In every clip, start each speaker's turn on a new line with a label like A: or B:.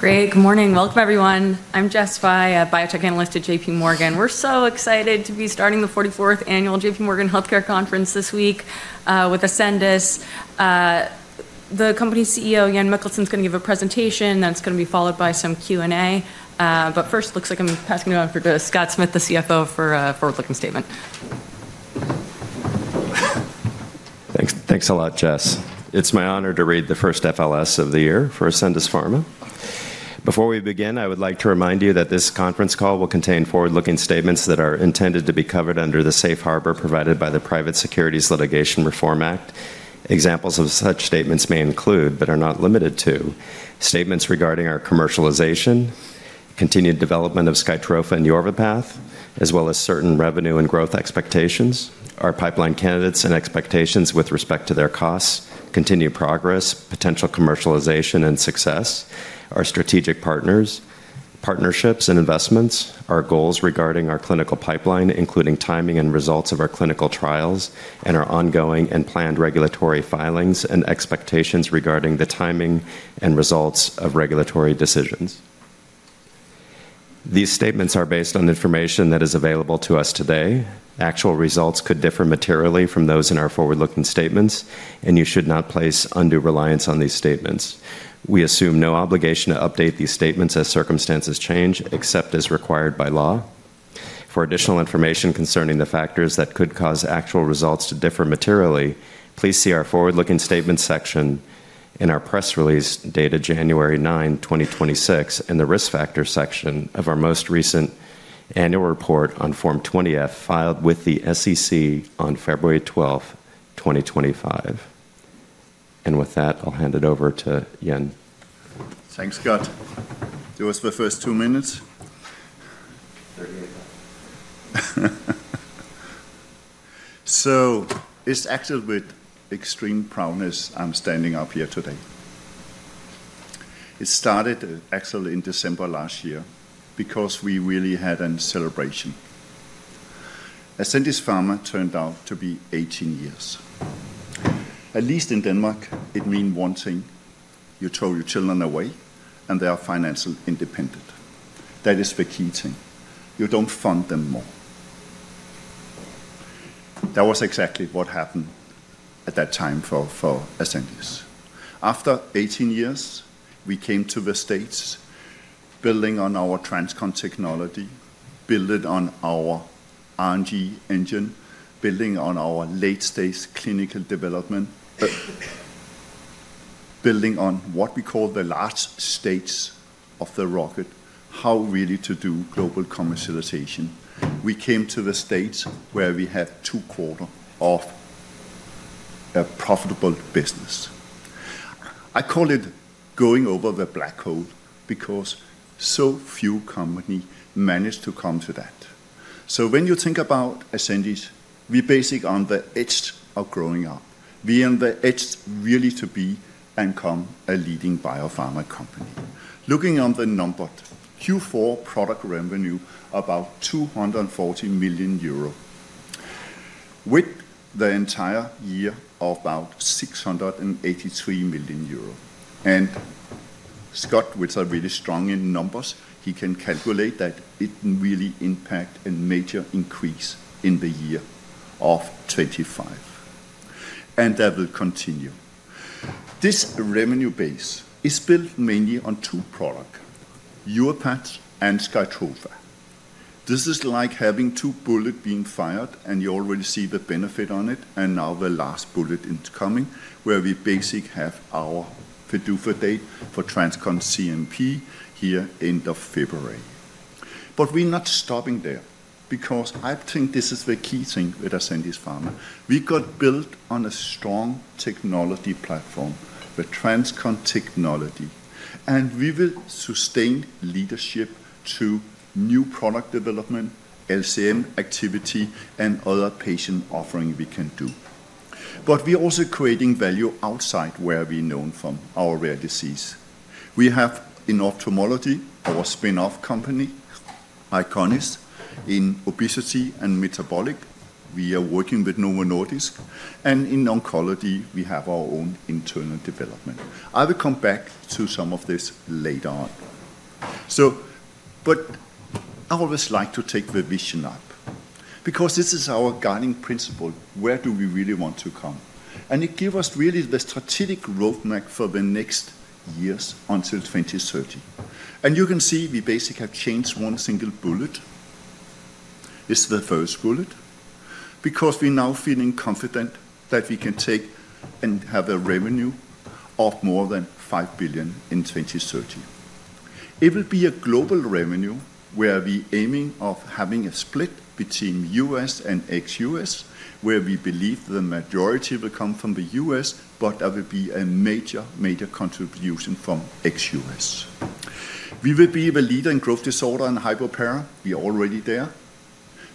A: Great. Good morning. Welcome, everyone. I'm Jessica Fye, a biotech analyst at J.P. Morgan. We're so excited to be starting the 44th Annual J.P. Morgan Healthcare Conference this week with Ascendis. The company's CEO, Jan Mikkelsen, is going to give a presentation. That's going to be followed by some Q&A. But first, it looks like I'm passing it on to Scott Smith, the CFO, for a forward-looking statement.
B: Thanks a lot, Jess. It's my honor to read the first FLS of the year for Ascendis Pharma. Before we begin, I would like to remind you that this conference call will contain forward-looking statements that are intended to be covered under the safe harbor provided by the Private Securities Litigation Reform Act. Examples of such statements may include, but are not limited to, statements regarding our commercialization, continued development of SKYTROFA and YORVIPATH, as well as certain revenue and growth expectations, our pipeline candidates and expectations with respect to their costs, continued progress, potential commercialization and success, our strategic partners, partnerships and investments, our goals regarding our clinical pipeline, including timing and results of our clinical trials, and our ongoing and planned regulatory filings and expectations regarding the timing and results of regulatory decisions. These statements are based on information that is available to us today. Actual results could differ materially from those in our forward-looking statements, and you should not place undue reliance on these statements. We assume no obligation to update these statements as circumstances change, except as required by law. For additional information concerning the factors that could cause actual results to differ materially, please see our Forward-Looking Statements section in our press release dated January 9, 2026, and the Risk Factors section of our most recent annual report on Form 20-F filed with the SEC on February 12, 2025. With that, I'll hand it over to Jan.
C: Thanks, Scott. Do us the first two minutes. It's actually with extreme proudness I'm standing up here today. It started actually in December last year because we really had a celebration. Ascendis Pharma turned out to be 18 years. At least in Denmark, it means one thing: you throw your children away, and they are financially independent. That is the key thing. You don't fund them more. That was exactly what happened at that time for Ascendis. After 18 years, we came to the States, building on our TransCon technology, building on our R&D engine, building on our late-stage clinical development, building on what we call the last stage of the rocket, how really to do global commercialization. We came to the States where we had two quarters of a profitable business. I call it going over the black hole because so few companies managed to come to that. So when you think about Ascendis, we're basically on the edge of growing up. We're on the edge really to become a leading biopharma company. Looking on the number, Q4 product revenue, about 240 million euro, with the entire year of about 683 million euro. And Scott, which is really strong in numbers, he can calculate that it really impacts a major increase in the year of 2025, and that will continue. This revenue base is built mainly on two products, YORVIPATH and SKYTROFA. This is like having two bullets being fired, and you already see the benefit on it. And now the last bullet is coming, where we basically have our PDUFA date for TransCon CNP here in February. But we're not stopping there because I think this is the key thing with Ascendis Pharma. We got built on a strong technology platform, the TransCon technology, and we will sustain leadership to new product development, LCM activity, and other patient offerings we can do. But we're also creating value outside where we're known from, our rare disease. We have in ophthalmology our spin-off company, Eyconis, in obesity and metabolic. We are working with Novo Nordisk. And in oncology, we have our own internal development. I will come back to some of this later on. But I always like to take the vision up because this is our guiding principle: where do we really want to come? And it gives us really the strategic roadmap for the next years until 2030. And you can see we basically have changed one single bullet. It's the first bullet because we're now feeling confident that we can take and have a revenue of more than 5 billion in 2030. It will be a global revenue where we're aiming for having a split between U.S. and ex-U.S., where we believe the majority will come from the U.S., but there will be a major, major contribution from ex-U.S.. We will be the leader in growth disorder and hypopara. We're already there,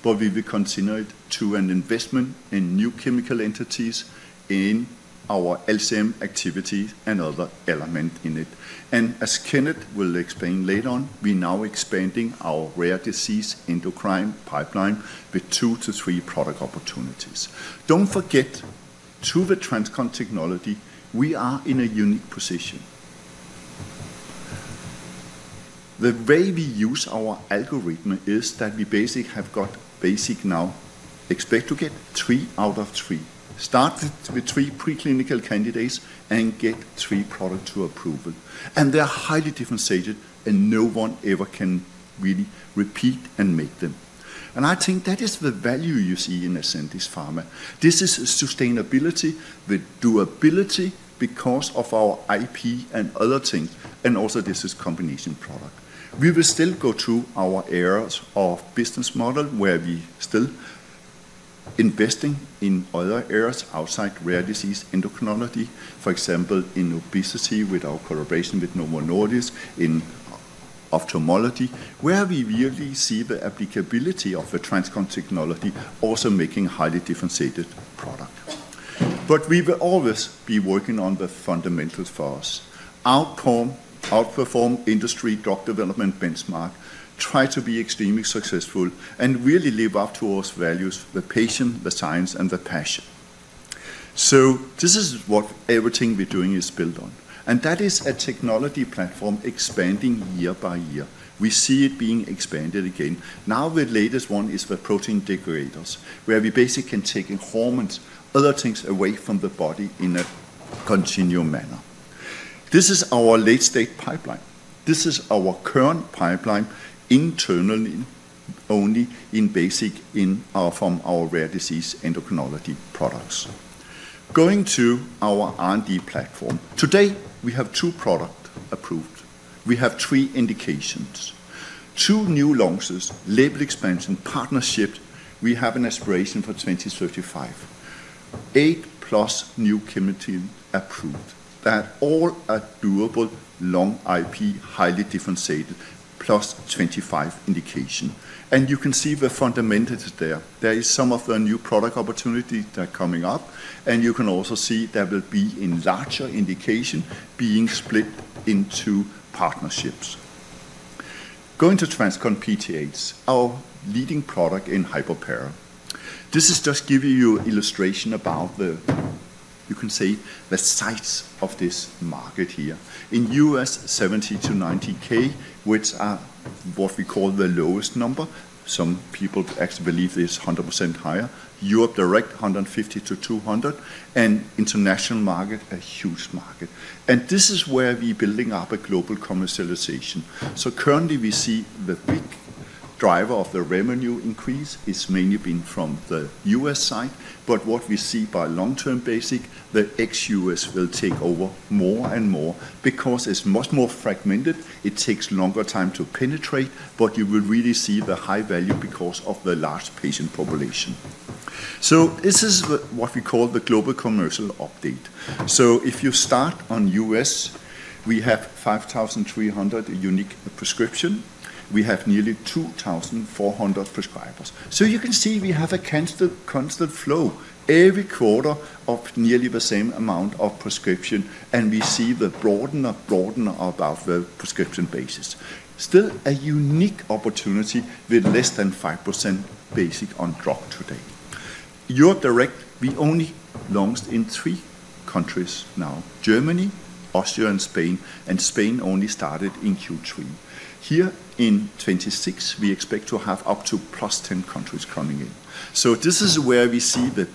C: but we will continue it to an investment in new chemical entities, in our LCM activities, and other elements in it. And as Kennett will explain later on, we're now expanding our rare disease endocrine pipeline with two to three product opportunities. Don't forget, through the TransCon technology, we are in a unique position. The way we use our algorithm is that we basically have got basically now expect to get three out of three, start with three preclinical candidates, and get three products to approval. And they're highly differentiated, and no one ever can really repeat and make them. And I think that is the value you see in Ascendis Pharma. This is sustainability with durability because of our IP and other things. And also, this is combination product. We will still go through our areas of business model where we're still investing in other areas outside rare disease endocrinology, for example, in obesity with our collaboration with Novo Nordisk in ophthalmology, where we really see the applicability of the TransCon technology, also making a highly differentiated product. But we will always be working on the fundamentals for us. Outperform industry drug development benchmark, try to be extremely successful, and really live up to our values, the patient, the science, and the passion. So this is what everything we're doing is built on. And that is a technology platform expanding year-by-year. We see it being expanded again. Now the latest one is the protein degraders, where we basically can take hormones, other things away from the body in a continued manner. This is our late-stage pipeline. This is our current pipeline internally only in basic from our rare disease endocrinology products. Going to our R&D platform. Today, we have two products approved. We have three indications. Two new launches, label expansion, partnership. We have an aspiration for 2035. Eight plus new chemicals approved. They're all durable, long IP, highly differentiated, plus 25 indications. And you can see the fundamentals there. There is some of the new product opportunities that are coming up, and you can also see there will be a larger indication being split into partnerships. Going to TransCon PTH, our leading product in hypopara. This is just giving you an illustration about the, you can say, the size of this market here. In the U.S., 70K-90K, which are what we call the lowest number. Some people actually believe it's 100% higher. Europe direct, 150-200. International market, a huge market. This is where we're building up a global commercialization. Currently, we see the big driver of the revenue increase has mainly been from the U.S. side. What we see by long-term basis, the ex-U.S.. will take over more and more because it's much more fragmented. It takes longer time to penetrate, but you will really see the high value because of the large patient population. This is what we call the global commercial update. If you start on the U.S., we have 5,300 unique prescriptions. We have nearly 2,400 prescribers. You can see we have a constant flow every quarter of nearly the same amount of prescription, and we see the broadening and broadening of the prescription base. Still a unique opportunity with less than 5% penetration of the drug today. In Europe direct, we only launched in three countries now: Germany, Austria, and Spain. And Spain only started in Q3. Here in 2026, we expect to have up to +10 countries coming in. This is where we see the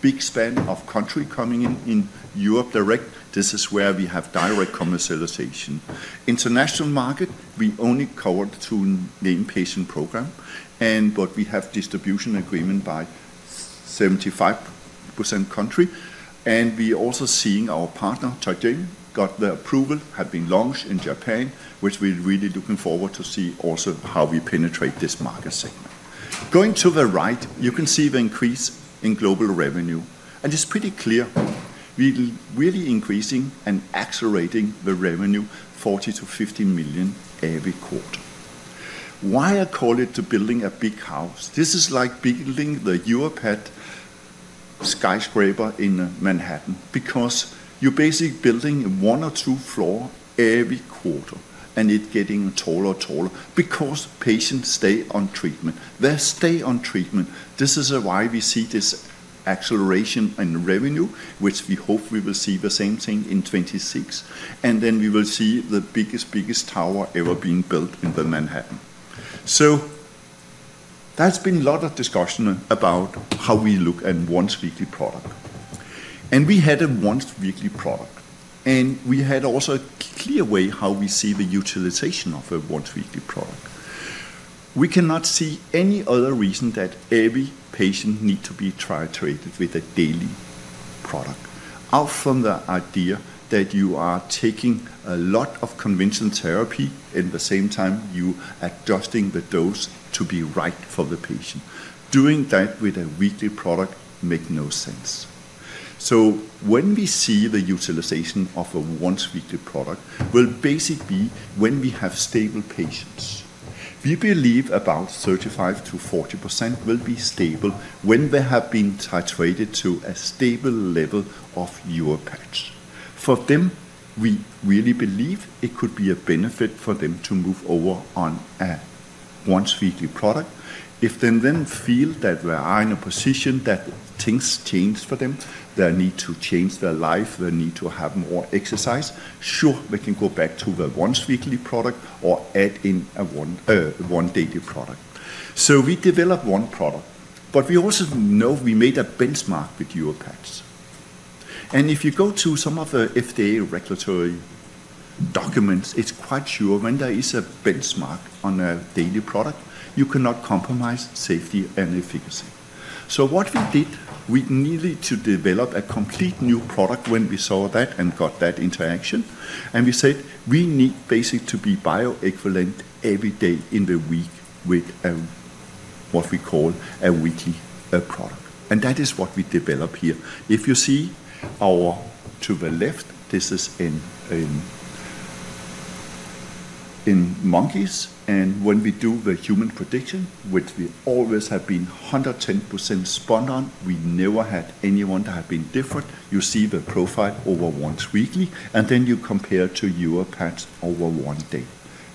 C: big expansion of countries coming in. In Europe direct, this is where we have direct commercialization. In the international market, we only cover through named patient program, but we have distribution agreements in 75% of countries. And we're also seeing our partner, Teijin, got the approval, has been launched in Japan, which we're really looking forward to seeing how we penetrate this market segment. Going to the right, you can see the increase in global revenue. It's pretty clear. We're really increasing and accelerating the revenue, $40-$50 million every quarter. Why I call it the building a big house? This is like building the Europe head skyscraper in Manhattan because you're basically building one or two floors every quarter, and it's getting taller and taller because patients stay on treatment. They stay on treatment. This is why we see this acceleration in revenue, which we hope we will see the same thing in 2026. Then we will see the biggest, biggest tower ever being built in Manhattan. There's been a lot of discussion about how we look at once-weekly product. We had a once-weekly product. We had also a clear way how we see the utilization of a once-weekly product. We cannot see any other reason that every patient needs to be tried with a daily product, out from the idea that you are taking a lot of conventional therapy and at the same time you're adjusting the dose to be right for the patient. Doing that with a weekly product makes no sense. So when we see the utilization of a one-weekly product, it will basically be when we have stable patients. We believe about 35%-40% will be stable when they have been titrated to a stable level of YORVIPATH. For them, we really believe it could be a benefit for them to move over on a one-weekly product. If they then feel that they are in a position that things change for them, they need to change their life, they need to have more exercise, sure, they can go back to the one-weekly product or add in a one-day product. We developed one product, but we also know we made a benchmark with YORVIPATH. If you go to some of the FDA regulatory documents, it's quite sure when there is a benchmark on a daily product, you cannot compromise safety and efficacy. We needed to develop a complete new product when we saw that and got that interaction. We said we need basically to be bioequivalent every day in the week with what we call a weekly product. That is what we developed here. If you see our data to the left, this is in monkeys. When we do the human prediction, which we always have been 110% spot on, we never had anyone that had been different. You see the profile over once weekly, and then you compare to YORVIPATH over one day.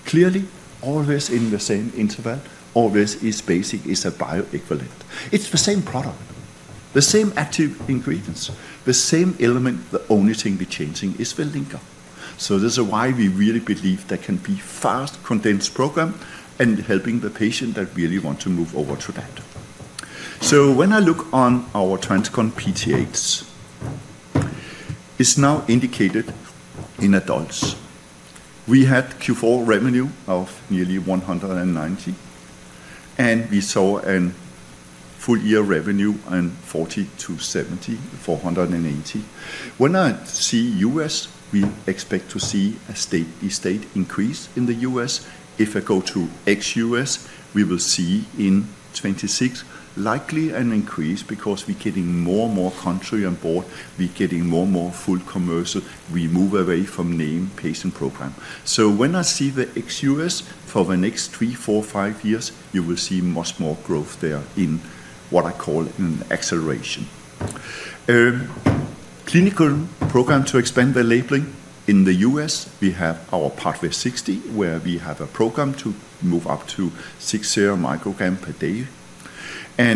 C: Clearly, always in the same interval, always is basically a bioequivalent. It's the same product, the same active ingredients, the same element. The only thing we're changing is the linker. This is why we really believe there can be fast condensed program and helping the patient that really wants to move over to that. When I look on our TransCon PTHs, it's now indicated in adults. We had Q4 revenue of nearly 190, and we saw a full-year revenue of 470-480. When I see in the U.S.., we expect to see a steady state increase in the U.S.. If I go to ex-U.S., we will see in 2026 likely an increase because we're getting more and more countries on board. We're getting more and more full commercial. We move away from named patient program. So when I see the ex-U.S. for the next three, four, five years, you will see much more growth there in what I call an acceleration. Clinical program to expand the labeling in the U.S., we have our pathway 60, where we have a program to move up to 600 mcg per day.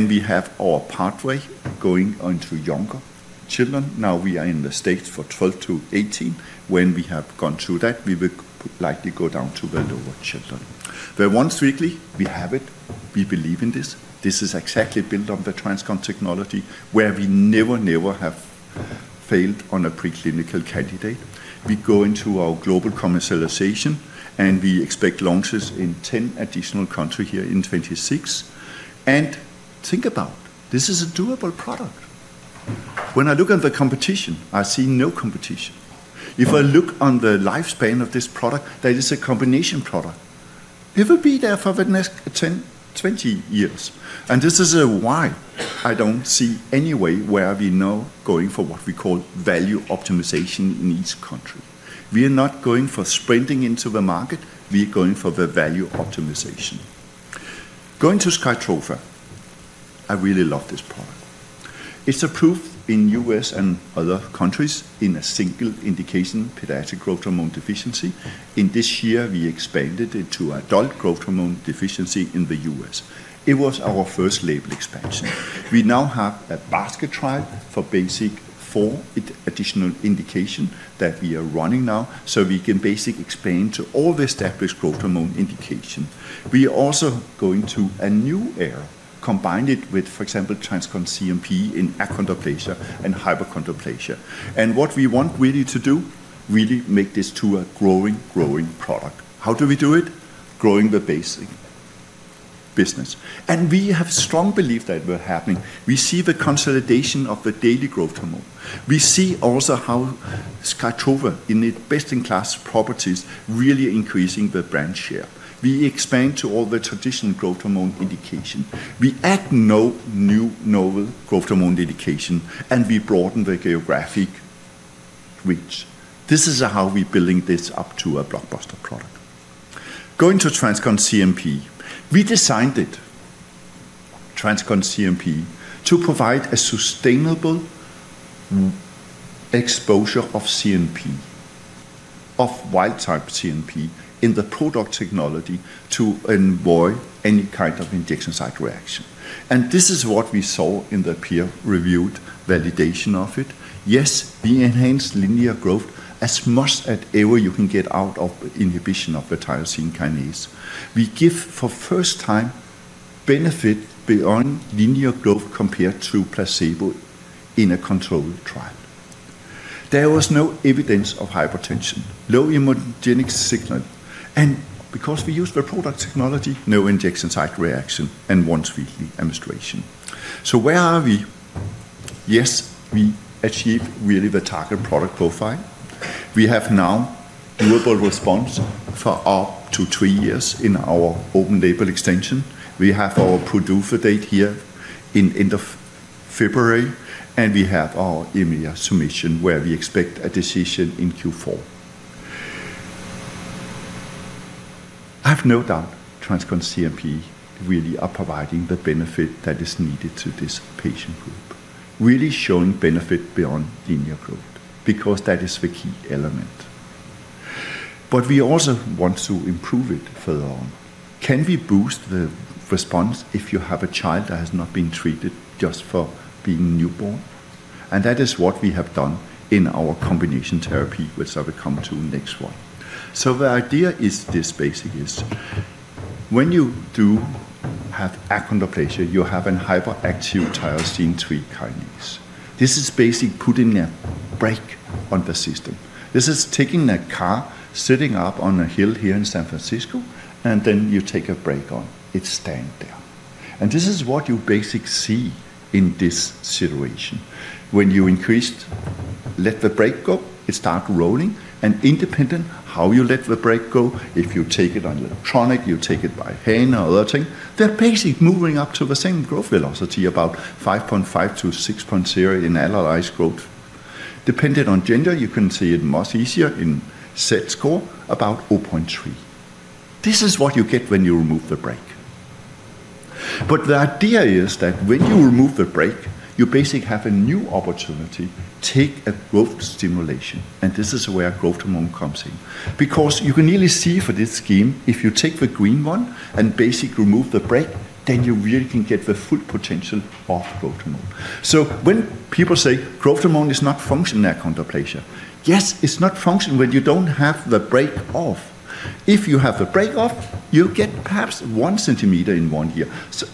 C: We have our pathway going on to younger children. Now we are in the stage for 12-8. When we have gone through that, we will likely go down to even younger children. The once weekly, we have it. We believe in this. This is exactly built on the TransCon technology, where we never, never have failed on a preclinical candidate. We go into our global commercialization, and we expect launches in 10 additional countries here in 2026. Think about this. This is a durable product. When I look at the competition, I see no competition. If I look on the lifespan of this product, that is a combination product. It will be there for the next 10, 20 years. This is why I don't see any way where we're now going for what we call value optimization in each country. We're not going for sprinting into the market. We're going for the value optimization. Going to SKYTROFA, I really love this product. It's approved in U.S. and other countries in a single indication, pediatric growth hormone deficiency. In this year, we expanded it to adult growth hormone deficiency in the U.S.. It was our first label expansion. We now have a basket trial for basically four additional indications that we are running now, so we can basically expand to all the established growth hormone indications. We are also going to a new era, combine it with, for example, TransCon CNP in achondroplasia and hypochondroplasia. What we want really to do is really make this to a growing product. How do we do it? Growing the basic business. We have strong belief that it's happening. We see the consolidation of the daily growth hormone. We see also how SKYTROFA in its best-in-class properties really increasing the brand share. We expand to all the traditional growth hormone indication. We add now new novel growth hormone indication, and we broaden the geographic reach. This is how we're building this up to a blockbuster product. Going to TransCon CNP, we designed it, TransCon CNP, to provide a sustainable exposure of CNP, of wild-type CNP in the prodrug technology to avoid any kind of injection site reaction. And this is what we saw in the peer-reviewed validation of it. Yes, we enhanced linear growth as much as ever you can get out of inhibition of the tyrosine kinase. We give for the first time benefit beyond linear growth compared to placebo in a controlled trial. There was no evidence of hypertension, low immunogenic signal. And because we used the prodrug technology, no injection site reaction and once-weekly administration. So where are we? Yes, we achieved really the target product profile. We have now durable response for up to three years in our open-label extension. We have our PDUFA date here in end of February, and we have our EMA submission where we expect a decision in Q4. I have no doubt TransCon CNP really are providing the benefit that is needed to this patient group, really showing benefit beyond linear growth because that is the key element. But we also want to improve it further on. Can we boost the response if you have a child that has not been treated just for being newborn? And that is what we have done in our combination therapy, which I will come to next one. So the idea is this basically. When you do have achondroplasia, you have a hyperactive FGFR3 tyrosine kinase. This is basically putting a brake on the system. This is taking a car, sitting up on a hill here in San Francisco, and then you take a brake on. It's standing there. This is what you basically see in this situation. When you increased, let the brake go, it starts rolling. Independent of how you let the brake go, if you take it electronically, you take it by hand or other thing, they're basically moving up to the same growth velocity, about 5.5-6.0 in annualized growth. Depending on gender, you can see it much easier in z-score about 0.3. This is what you get when you remove the brake. The idea is that when you remove the brake, you basically have a new opportunity to take a growth stimulation. This is where growth hormone comes in because you can really see for this scheme, if you take the green one and basically remove the brake, then you really can get the full potential of growth hormone. So when people say growth hormone is not functioning in achondroplasia, yes, it's not functioning when you don't have the brake off. If you have the brake off, you get perhaps one centimeter in one year.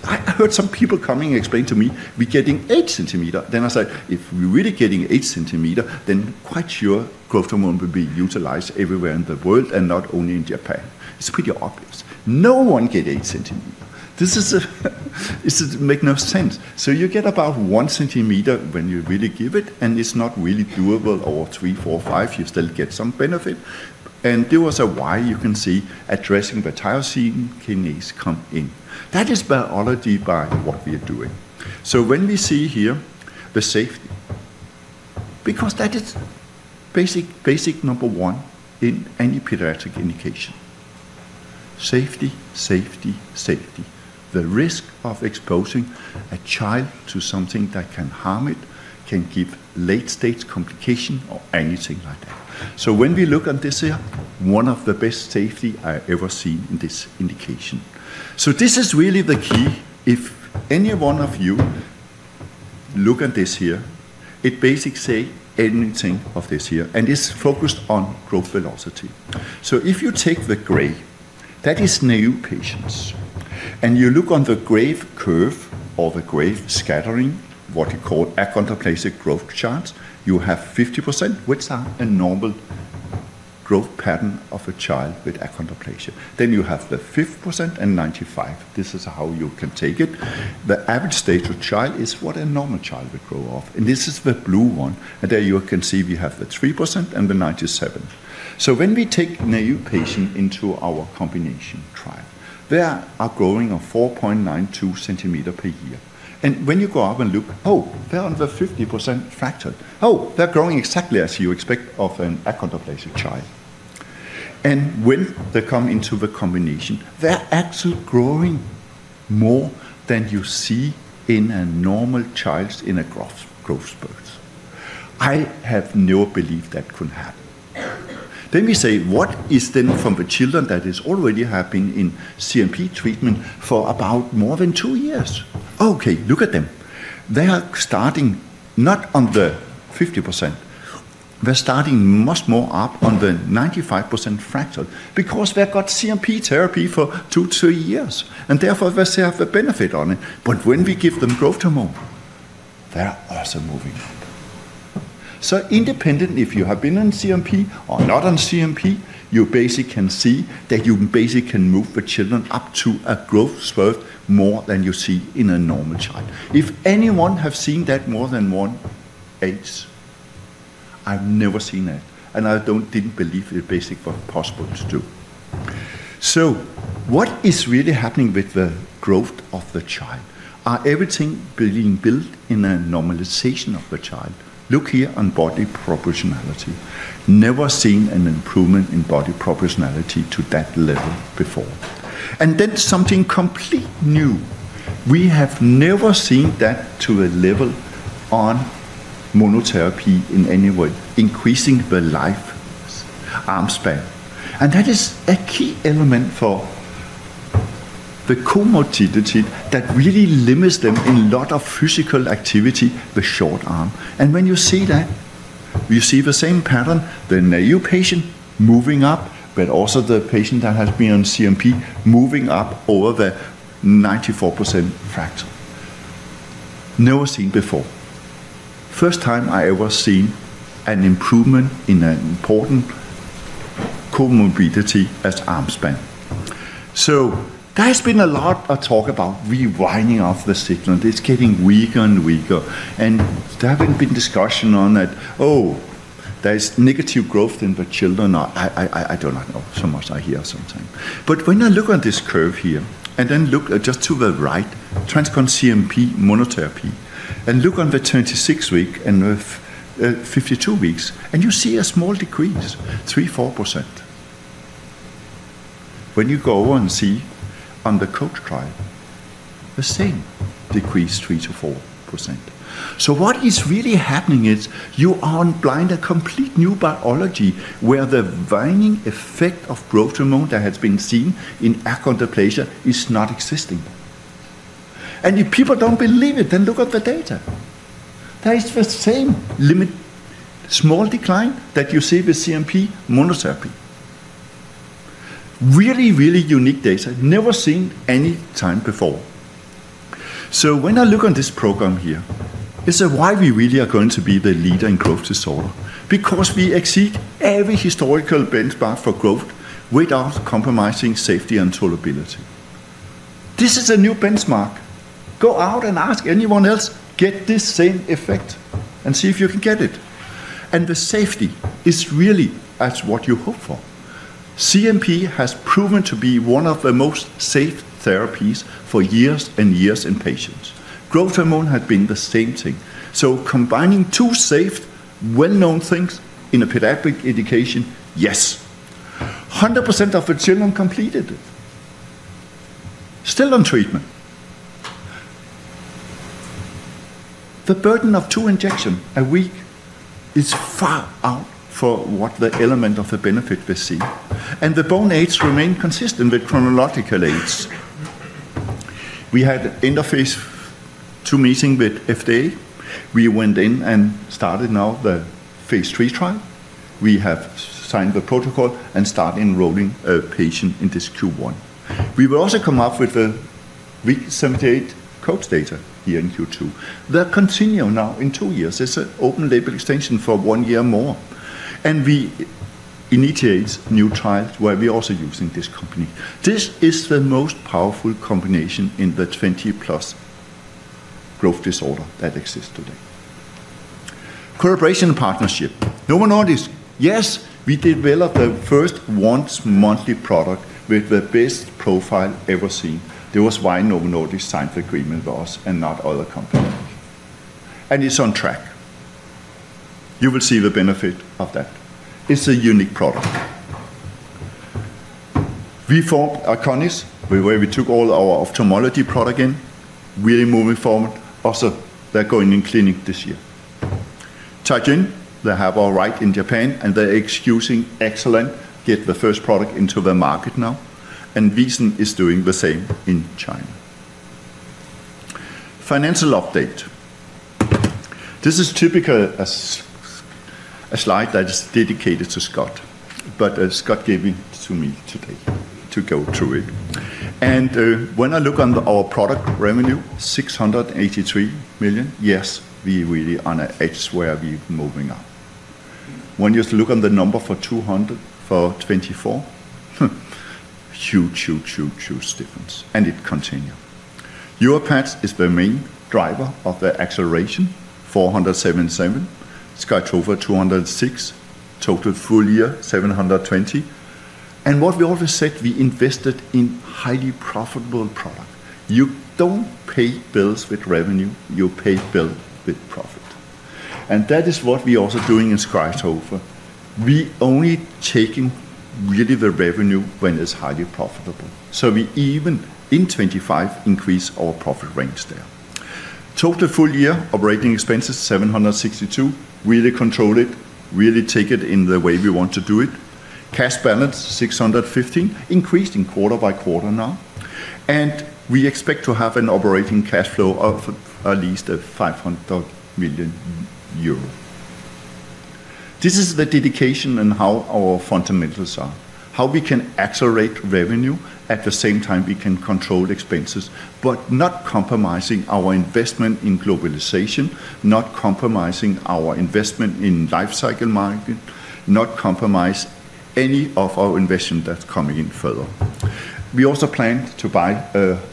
C: I heard some people coming explain to me we're getting eight centimeter. Then I said, if we're really getting eight centimeter, then quite sure growth hormone will be utilized everywhere in the world and not only in Japan. It's pretty obvious. No one gets eight centimeter. This is make no sense. So you get about one centimeter when you really give it, and it's not really durable over three, four, five. You still get some benefit. And there was a way you can see addressing the tyrosine kinase come in. That is biology by what we are doing. So when we see here the safety, because that is basic number one in any pediatric indication. Safety, safety, safety. The risk of exposing a child to something that can harm it, can give late-stage complication or anything like that. So when we look on this here, one of the best safety I've ever seen in this indication. So this is really the key. If any one of you look at this here, it basically say anything of this here, and it's focused on growth velocity. So if you take the gray, that is new patients, and you look on the growth curve or the growth scattering, what we call achondroplasia growth charts, you have 50%, which are a normal growth pattern of a child with achondroplasia. Then you have the 5% and 95%. This is how you can take it. The average stature of a child is what a normal child would grow to. This is the blue one. There you can see we have the 3% and the 97%. So when we take a new patient into our combination trial, they are growing at 4.92 cm per year. When you go up and look, oh, they're under the 50th percentile. Oh, they're growing exactly as you expect of an achondroplasia child. When they come into the combination, they're actually growing more than you see in a normal child in a growth spurt. I have no belief that could happen. Then we say, what is happening then in the children that are already in CNP treatment for more than two years? Okay, look at them. They are starting not on the 50th percentile. They're starting much more up on the 95th percentile for stature because they've got CNP therapy for two, three years, and therefore, they have a benefit on it, but when we give them growth hormone, they're also moving up, so independent if you have been on CNP or not on CNP, you basically can see that you basically can move the children up to a growth spurt more than you see in a normal child. If anyone has seen that more than one age, I've never seen that, and I didn't believe it basically was possible to do, so what is really happening with the growth of the child? Are everything being built in a normalization of the child? Look here on body proportionality. Never seen an improvement in body proportionality to that level before, and then something completely new. We have never seen that to a level on monotherapy in any way, increasing the arm span. That is a key element for the comorbidity that really limits them in a lot of physical activity, the short arm. When you see that, you see the same pattern, the new patient moving up, but also the patient that has been on CNP moving up over the 94% fracture. Never seen before. First time I ever seen an improvement in an important comorbidity as arm span. There has been a lot of talk about rewinding of the signal. It's getting weaker and weaker. There haven't been discussions on that. Oh, there's negative growth in the children. I don't know so much I hear sometimes. But when I look on this curve here and then look just to the right, TransCon CNP monotherapy, and look on the 26-week and the 52-week, and you see a small decrease, 3%-4%. When you go and see on the control trial, the same decrease, 3%-4%. So what is really happening is you are applying a complete new biology where the widening effect of growth hormone that has been seen in achondroplasia is not existing. And if people don't believe it, then look at the data. There is the same small decline that you see with CNP monotherapy. Really, really unique data, never seen any time before. So when I look on this program here, it's why we really are going to be the leader in growth disorder because we exceed every historical benchmark for growth without compromising safety and tolerability. This is a new benchmark. Go out and ask anyone else, get this same effect and see if you can get it. And the safety is really as what you hope for. CNP has proven to be one of the most safe therapies for years and years in patients. Growth hormone has been the same thing. So combining two safe, well-known things in a pediatric indication, yes. 100% of the children completed it. Still on treatment. The burden of two injections a week is far out for what the element of the benefit we've seen. And the bone age remain consistent with chronological age. We had two informal meetings with FDA. We went in and started now the phase three trial. We have signed the protocol and started enrolling a patient in this Q1. We will also come up with the week 78 core data here in Q2. They're continuing now in two years. It's an open label extension for one year more, and we initiate new trials where we're also using this company. This is the most powerful combination in the 20+ growth disorder that exists today. Collaboration and partnership. Novo Nordisk, yes, we developed the first once-monthly product with the best profile ever seen. That's why Novo Nordisk signed the agreement with us and not other companies. And it's on track. You will see the benefit of that. It's a unique product. We formed Eyconis, where we took all our ophthalmology product in. We're moving forward. Also, they're going in clinic this year. Teijin, they have all rights in Japan, and they're executing excellently, get the first product into the market now. And VISEN is doing the same in China. Financial update. This is typically a slide that is dedicated to Scott, but Scott gave it to me today to go through it. And when I look on our product revenue, $683 million, yes, we really are on an edge where we're moving up. When you look on the number for 2024, huge, huge, huge, huge difference. And it continues. YORVIPATH is the main driver of the acceleration, 477. SKYTROFA 206, total full year, 720. And what we always said, we invested in highly profitable product. You don't pay bills with revenue. You pay bills with profit. And that is what we are also doing in SKYTROFA. We only taking really the revenue when it's highly profitable. So we even in 25 increase our profit range there. Total full year operating expenses, 762. Really control it, really take it in the way we want to do it. Cash balance 615 million, increasing quarter by quarter now. And we expect to have an operating cash flow of at least 500 million euro. This is the dedication and how our fundamentals are, how we can accelerate revenue at the same time we can control expenses, but not compromising our investment in globalization, not compromising our investment in life cycle market, not compromise any of our investment that's coming in further. We also plan to buy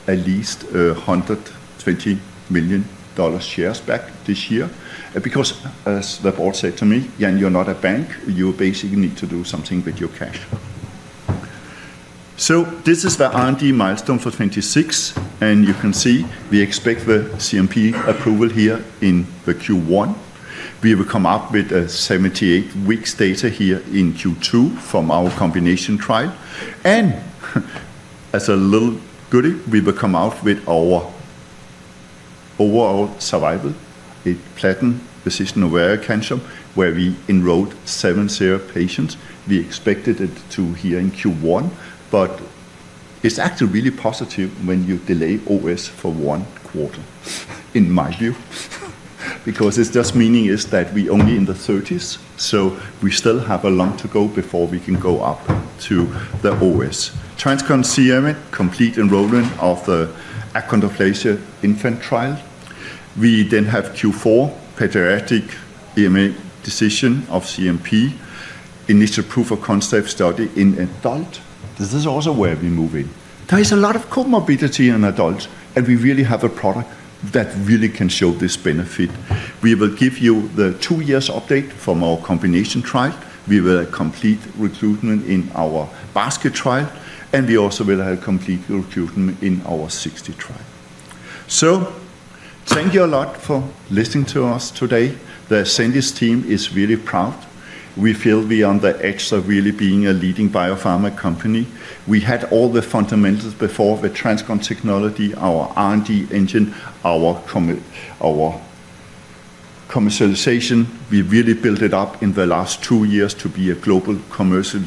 C: at least $120 million shares back this year because the board said to me, "Yeah, you're not a bank. You basically need to do something with your cash." So this is the R&D milestone for 2026. And you can see we expect the CNP approval here in the Q1. We will come up with a 78-week data here in Q2 from our combination trial. As a little goody, we will come out with our overall survival in platinum position ovarian cancer, where we enrolled seven share patients. We expected it to here in Q1, but it's actually really positive when you delay OS for one quarter, in my view, because it's just meaning is that we only in the 30s. So we still have a long way to go before we can go up to the OS. TransCon CNP, complete enrollment of the achondroplasia infant trial. We then have Q4 pediatric decision of CNP, initial proof of concept study in adult. This is also where we move in. There is a lot of comorbidity in adults, and we really have a product that really can show this benefit. We will give you the two-year update from our combination trial. We will have complete recruitment in our basket trial, and we also will have complete recruitment in our 60 trial. So thank you a lot for listening to us today. The Ascendis team is really proud. We feel we are on the edge of really being a leading biopharma company. We had all the fundamentals before with TransCon technology, our R&D engine, our commercialization. We really built it up in the last two years to be a global commercial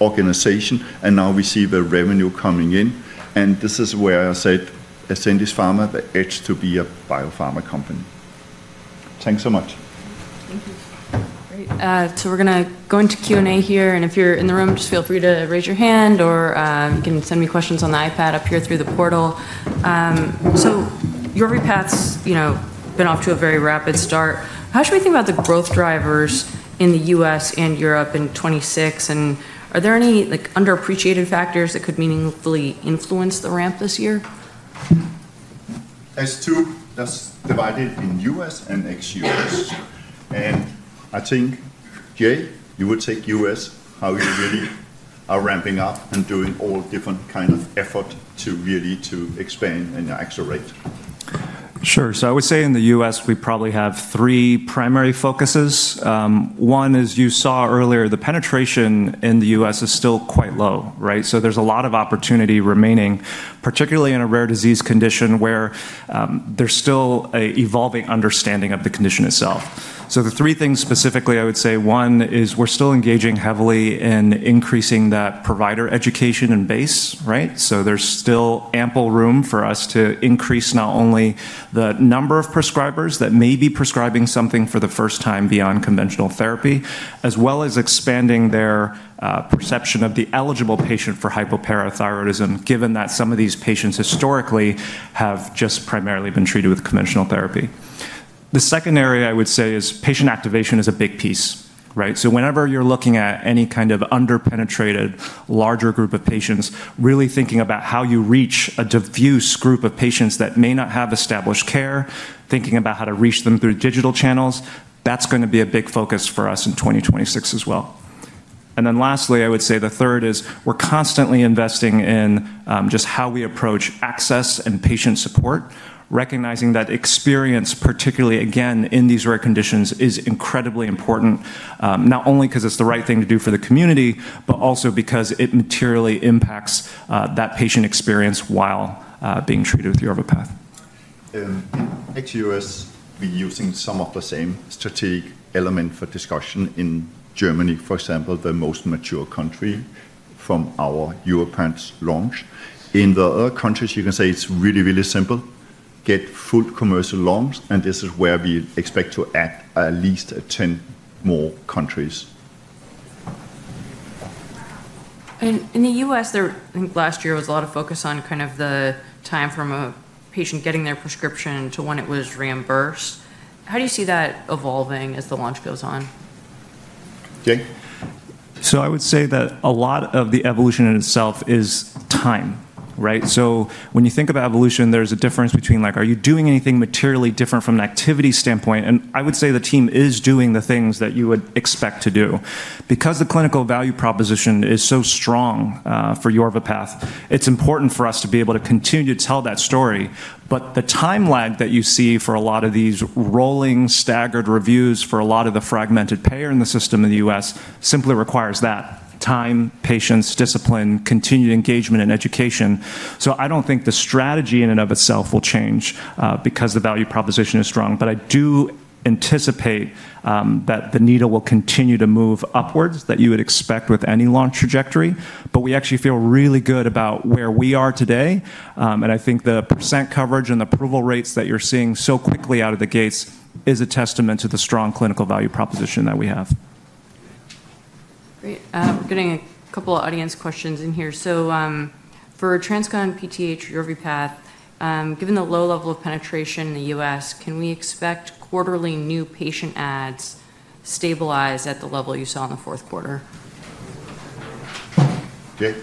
C: organization. And now we see the revenue coming in. And this is where I said Ascendis Pharma, the edge to be a biopharma company. Thanks so much.
A: Thank you. Great. So we're going to go into Q&A here. And if you're in the room, just feel free to raise your hand or you can send me questions on the iPad up here through the portal. YORVIPATH's been off to a very rapid start. How should we think about the growth drivers in the U.S. and Europe in 2026? And are there any underappreciated factors that could meaningfully influence the ramp this year?
B: There's two. That's divided in U.S. and ex-U.S. And I think, Jay, you would take U.S., how you really are ramping up and doing all different kind of effort to really expand and accelerate.
C: Sure. So I would say in the U.S., we probably have three primary focuses. One is, you saw earlier, the penetration in the U.S. is still quite low, right? So there's a lot of opportunity remaining, particularly in a rare disease condition where there's still an evolving understanding of the condition itself. So the three things specifically, I would say one is we're still engaging heavily in increasing that provider education and base, right? So there's still ample room for us to increase not only the number of prescribers that may be prescribing something for the first time beyond conventional therapy, as well as expanding their perception of the eligible patient for hypoparathyroidism, given that some of these patients historically have just primarily been treated with conventional therapy. The second area I would say is patient activation is a big piece, right? So whenever you're looking at any kind of underpenetrated larger group of patients, really thinking about how you reach a diffuse group of patients that may not have established care, thinking about how to reach them through digital channels, that's going to be a big focus for us in 2026 as well. Then lastly, I would say the third is we're constantly investing in just how we approach access and patient support, recognizing that experience, particularly again in these rare conditions, is incredibly important, not only because it's the right thing to do for the community, but also because it materially impacts that patient experience while being treated with YORVIPATH. In ex-U.S., we're using some of the same strategic element for discussion in Germany, for example, the most mature country from our European launch. In the other countries, you can say it's really, really simple. Get full commercial launch, and this is where we expect to add at least 10 more countries.In the U.S., I think last year was a lot of focus on kind of the time from a patient getting their prescription to when it was reimbursed. How do you see that evolving as the launch goes on?
B: Jan?
C: So I would say that a lot of the evolution in itself is time, right? So when you think about evolution, there's a difference between like, are you doing anything materially different from an activity standpoint? And I would say the team is doing the things that you would expect to do. Because the clinical value proposition is so strong for YORVIPATH, it's important for us to be able to continue to tell that story. But the time lag that you see for a lot of these rolling staggered reviews for a lot of the fragmented payer system in the U.S. simply requires that time, patience, discipline, continued engagement, and education. So I don't think the strategy in and of itself will change because the value proposition is strong. But I do anticipate that the needle will continue to move upwards that you would expect with any launch trajectory. But we actually feel really good about where we are today. And I think the percent coverage and the approval rates that you're seeing so quickly out of the gates is a testament to the strong clinical value proposition that we have.
A: Great. We're getting a couple of audience questions in here. So for TransCon PTH, YORVIPATH, given the low level of penetration in the U.S., can we expect quarterly new patient adds stabilize at the level you saw in the fourth quarter?
B: Jan?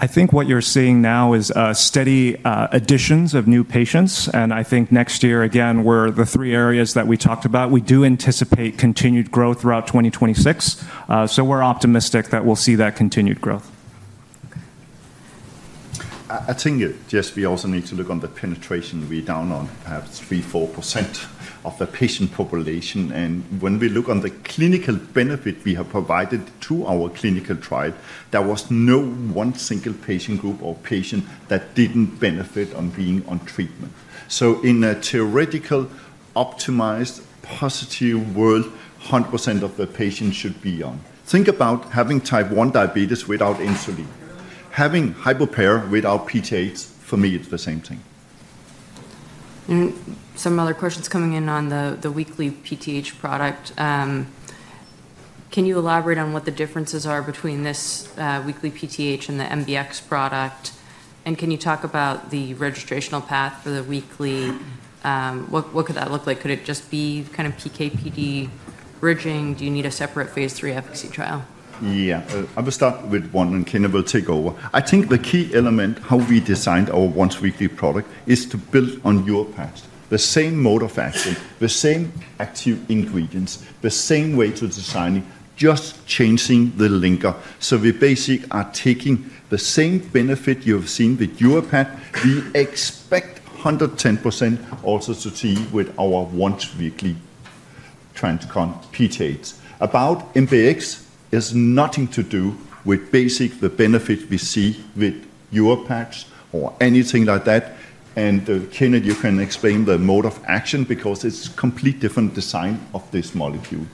C: I think what you're seeing now is steady additions of new patients. And I think next year, again, where the three areas that we talked about, we do anticipate continued growth throughout 2026. So we're optimistic that we'll see that continued growth.
B: I think it just we also need to look on the penetration. We're down on perhaps 3%-4% of the patient population. And when we look on the clinical benefit we have provided to our clinical trial, there was no one single patient group or patient that didn't benefit on being on treatment. So in a theoretical optimized positive world, 100% of the patients should be on. Think about having type 1 diabetes without insulin. Having hypopar without PTH, for me, it's the same thing.
A: Some other questions coming in on the weekly PTH product. Can you elaborate on what the differences are between this weekly PTH and the MBX product? And can you talk about the registrational path for the weekly? What could that look like? Could it just be kind of PKPD bridging? Do you need a separate phase three efficacy trial?
B: Yeah. I will start with one and Kennett will take over. I think the key element, how we designed our once-weekly product, is to build on YORVIPATH. The same mode of action, the same active ingredients, the same way of designing, just changing the linker. So we basically are taking the same benefit you've seen with YORVIPATH. We expect 110% also to see with our once-weekly TransCon PTHs. About MBX, it has nothing to do with basically the benefit we see with YORVIPATH or anything like that. And Kennett, you can explain the mode of action because it's a complete different design of this molecule.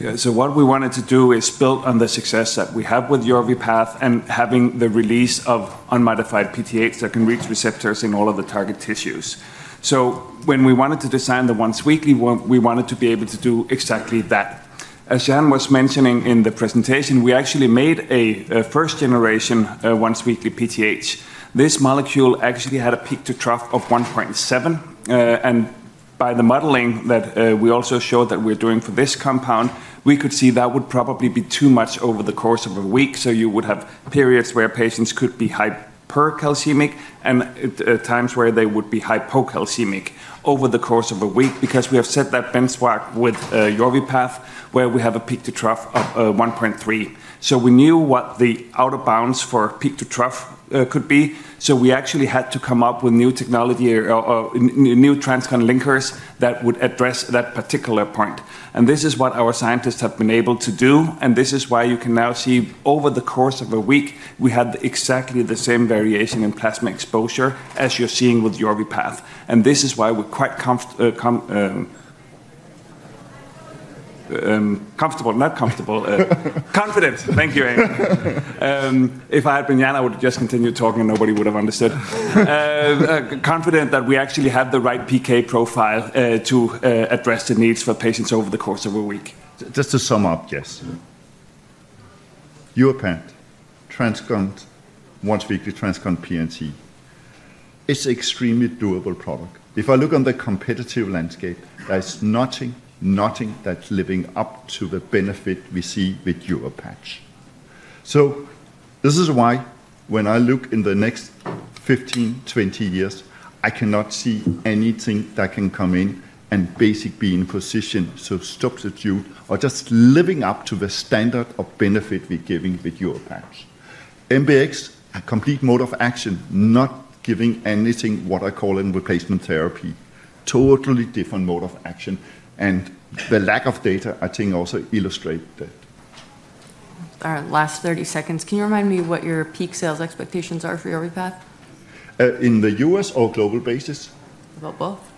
D: Yeah. So what we wanted to do is build on the success that we have with YORVIPATH and having the release of unmodified PTHs that can reach receptors in all of the target tissues. So when we wanted to design the once-weekly, we wanted to be able to do exactly that. As Jan was mentioning in the presentation, we actually made a first-generation once-weekly PTH. This molecule actually had a peak to trough of 1.7. And by the modeling that we also showed that we're doing for this compound, we could see that would probably be too much over the course of a week. So you would have periods where patients could be hypercalcemic and times where they would be hypocalcemic over the course of a week because we have set that benchmark with YORVIPATH where we have a peak to trough of 1.3. So we knew what the outer bounds for peak to trough could be. So we actually had to come up with new technology or new TransCon linkers that would address that particular point. This is what our scientists have been able to do. And this is why you can now see over the course of a week, we had exactly the same variation in plasma exposure as you're seeing with YORVIPATH. And this is why we're quite comfortable. Not comfortable.
C: Confident. Thank you, Anne. If I had been Jan, I would have just continued talking and nobody would have understood. Confident that we actually have the right PK profile to address the needs for patients over the course of a week. Just to sum up, Jess, YORVIPATH, TransCon once-weekly TransCon PTH, it's an extremely durable product. If I look on the competitive landscape, there's nothing, nothing that's living up to the benefit we see with YORVIPATH. So this is why when I look in the next 15, 20 years, I cannot see anything that can come in and basically be in position to substitute or just living up to the standard of benefit we're giving with YORVIPATH. MBX, a complete mode of action, not giving anything, what I call in replacement therapy, totally different mode of action. And the lack of data, I think, also illustrates that.
A: Our last 30 seconds. Can you remind me what your peak sales expectations are for YORVIPATH?
C: In the U.S. or global basis? About both.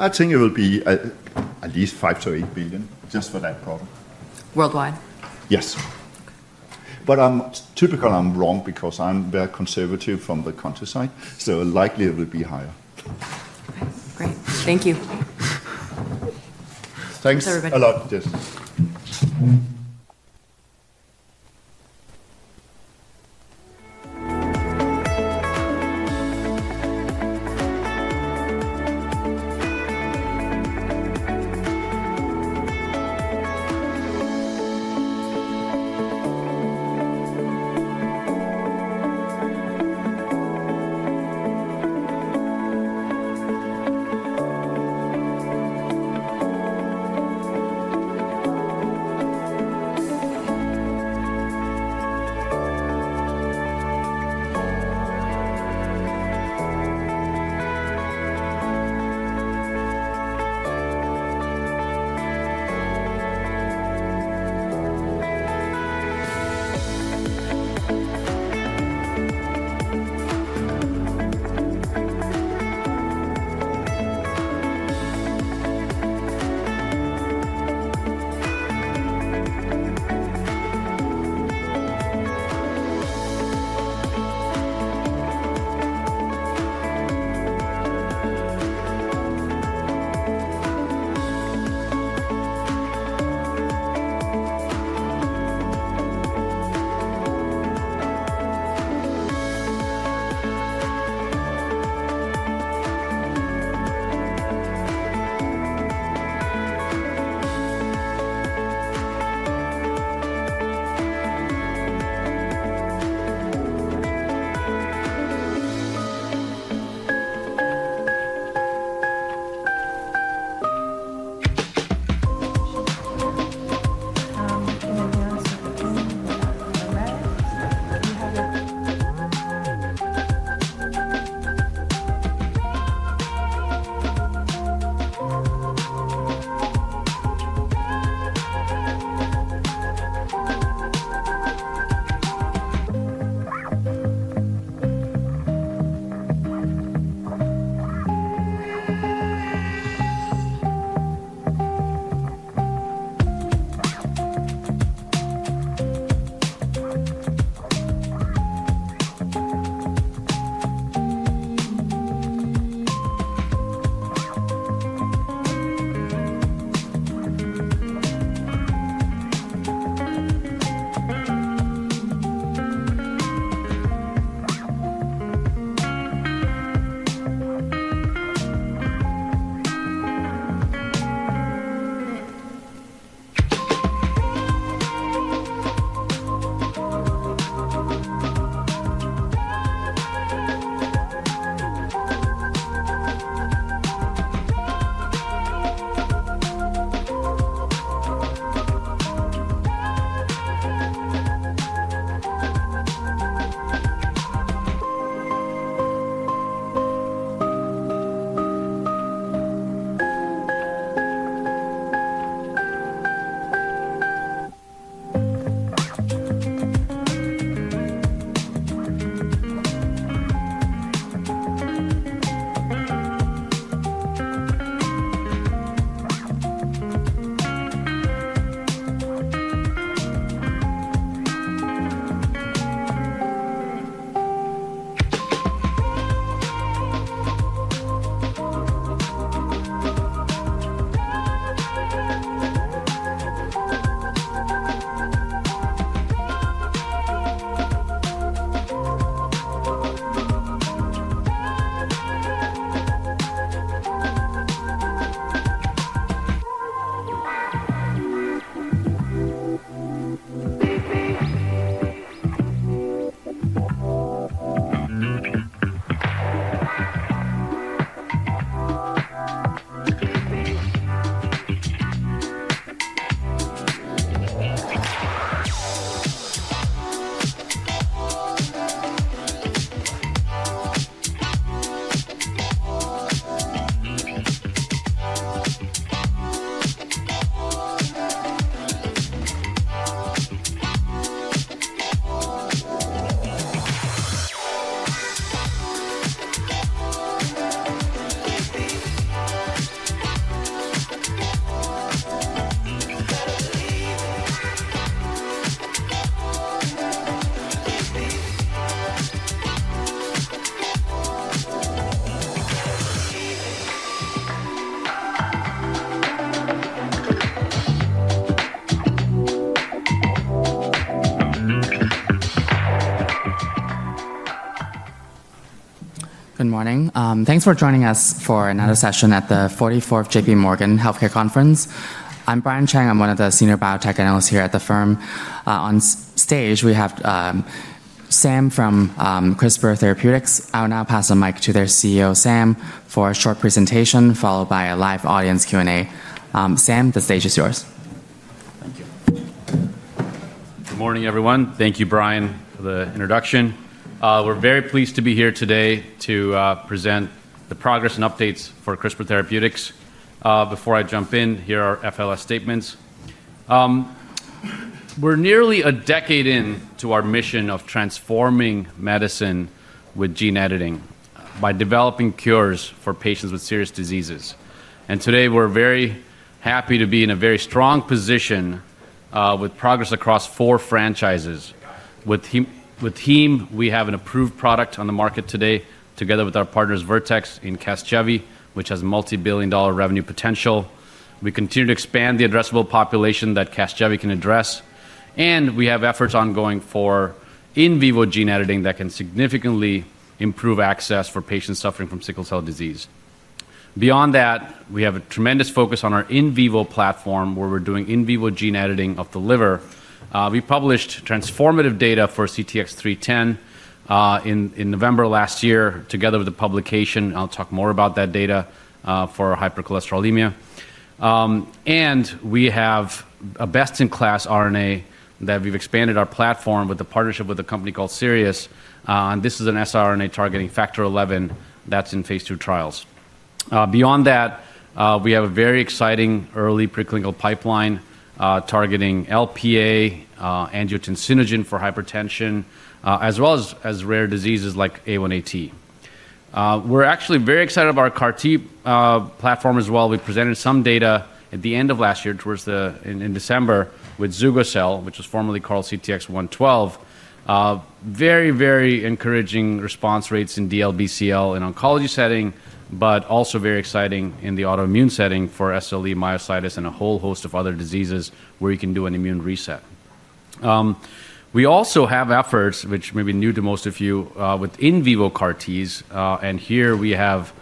C: I think it will be at least $5-$8 billion just for that product.
A: Worldwide?
C: Yes. But typically, I'm wrong because I'm very conservative from the countryside. So likely it will be higher. Great. Thank you. Thanks a lot, Jess.
E: Good morning. Thanks for joining us for another session at the 44th JPMorgan Healthcare Conference. I'm Brian Cheng. I'm one of the senior biotech analysts here at the firm. On stage, we have Sam from CRISPR Therapeutics. I'll now pass the mic to their CEO, Sam, for a short presentation followed by a live audience Q&A. Sam, the stage is yours. Thank you.
F: Good morning, everyone. Thank you, Brian, for the introduction. We're very pleased to be here today to present the progress and updates for CRISPR Therapeutics. Before I jump in, here are FLS statements. We're nearly a decade into our mission of transforming medicine with gene editing by developing cures for patients with serious diseases, and today, we're very happy to be in a very strong position with progress across four franchises. With HEME, we have an approved product on the market today together with our partners, Vertex and Casgevy, which has multi-billion-dollar revenue potential. We continue to expand the addressable population that Casgevy can address. And we have efforts ongoing for in vivo gene editing that can significantly improve access for patients suffering from sickle cell disease. Beyond that, we have a tremendous focus on our in vivo platform where we're doing in vivo gene editing of the liver. We published transformative data for CTX310 in November last year together with a publication. I'll talk more about that data for hypercholesterolemia. And we have a best-in-class RNA that we've expanded our platform with the partnership with a company called Sirius. And this is an siRNA targeting Factor XI that's in phase two trials. Beyond that, we have a very exciting early preclinical pipeline targeting Lp(a), angiotensinogen for hypertension, as well as rare diseases like A1AT. We're actually very excited about our CAR-T platform as well. We presented some data at the end of last year towards the end of December with Zugocel, which was formerly called CTX112. Very, very encouraging response rates in DLBCL in oncology setting, but also very exciting in the autoimmune setting for SLE, myositis, and a whole host of other diseases where you can do an immune reset. We also have efforts, which may be new to most of you, with in vivo CAR-Ts. And here, we have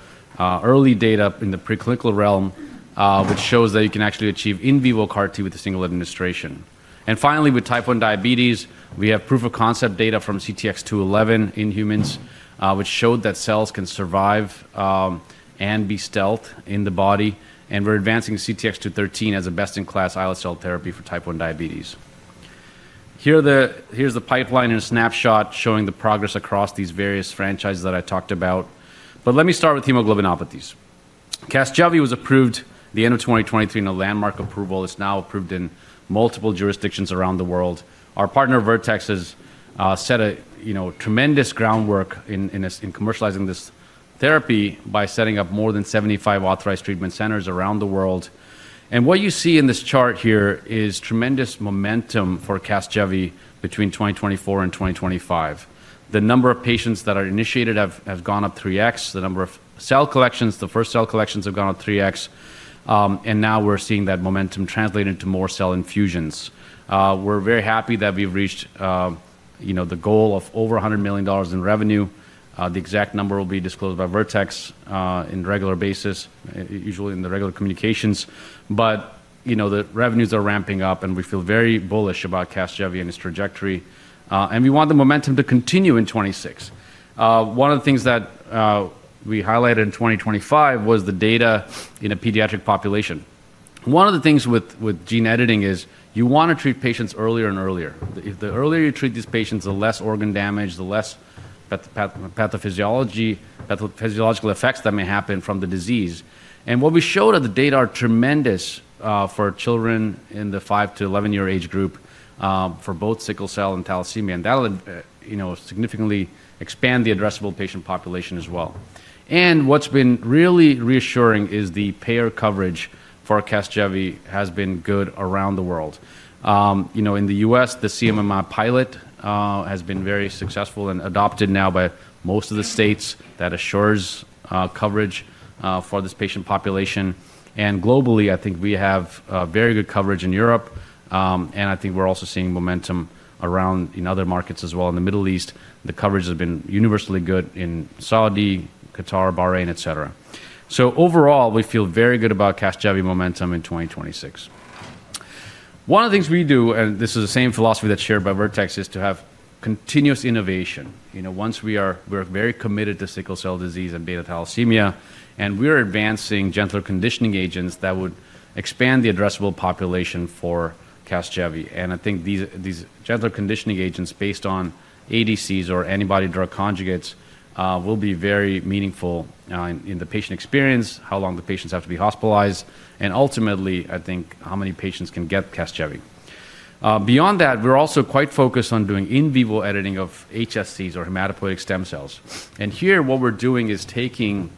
F: early data in the preclinical realm, which shows that you can actually achieve in vivo CAR-T with a single administration. Finally, with type 1 diabetes, we have proof of concept data from CTX211 in humans, which showed that cells can survive and be stealth in the body. We're advancing CTX213 as a best-in-class islet cell therapy for type 1 diabetes. Here's the pipeline in a snapshot showing the progress across these various franchises that I talked about. Let me start with hemoglobinopathies. Casgevy was approved at the end of 2023 in a landmark approval. It's now approved in multiple jurisdictions around the world. Our partner, Vertex, has set a tremendous groundwork in commercializing this therapy by setting up more than 75 authorized treatment centers around the world. What you see in this chart here is tremendous momentum for Casgevy between 2024 and 2025. The number of patients that are initiated have gone up 3x. The number of cell collections, the first cell collections have gone up 3x. And now we're seeing that momentum translated into more cell infusions. We're very happy that we've reached the goal of over $100 million in revenue. The exact number will be disclosed by Vertex on a regular basis, usually in the regular communications. But the revenues are ramping up, and we feel very bullish about Casgevy and its trajectory. And we want the momentum to continue in 2026. One of the things that we highlighted in 2025 was the data in a pediatric population. One of the things with gene editing is you want to treat patients earlier and earlier. The earlier you treat these patients, the less organ damage, the less pathophysiological effects that may happen from the disease. What we showed that the data are tremendous for children in the 5-11-year age group for both sickle cell and thalassemia. That will significantly expand the addressable patient population as well. What's been really reassuring is the payer coverage for Casgevy has been good around the world. In the U.S., the CMMI pilot has been very successful and adopted now by most of the states. That assures coverage for this patient population. Globally, I think we have very good coverage in Europe. I think we're also seeing momentum around in other markets as well. In the Middle East, the coverage has been universally good in Saudi, Qatar, Bahrain, etc. Overall, we feel very good about Casgevy momentum in 2026. One of the things we do, and this is the same philosophy that's shared by Vertex, is to have continuous innovation. Once we are very committed to sickle cell disease and beta thalassemia, and we are advancing gentler conditioning agents that would expand the addressable population for Casgevy, and I think these gentler conditioning agents based on ADCs or antibody drug conjugates will be very meaningful in the patient experience, how long the patients have to be hospitalized, and ultimately, I think, how many patients can get Casgevy. Beyond that, we're also quite focused on doing in vivo editing of HSCs or hematopoietic stem cells, and here, what we're doing is taking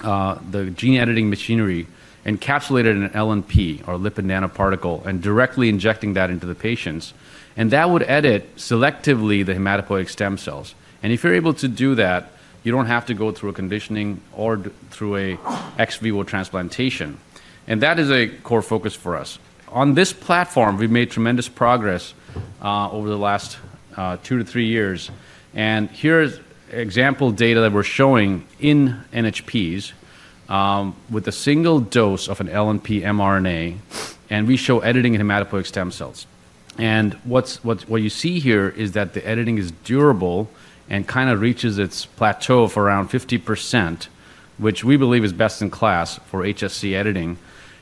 F: the gene editing machinery, encapsulated in an LNP or lipid nanoparticle, and directly injecting that into the patients, and that would edit selectively the hematopoietic stem cells, and if you're able to do that, you don't have to go through a conditioning or through an ex vivo transplantation, and that is a core focus for us. On this platform, we've made tremendous progress over the last two to three years. And here's example data that we're showing in NHPs with a single dose of an LNP mRNA, and we show editing in hematopoietic stem cells. And what you see here is that the editing is durable and kind of reaches its plateau of around 50%, which we believe is best in class for HSC editing.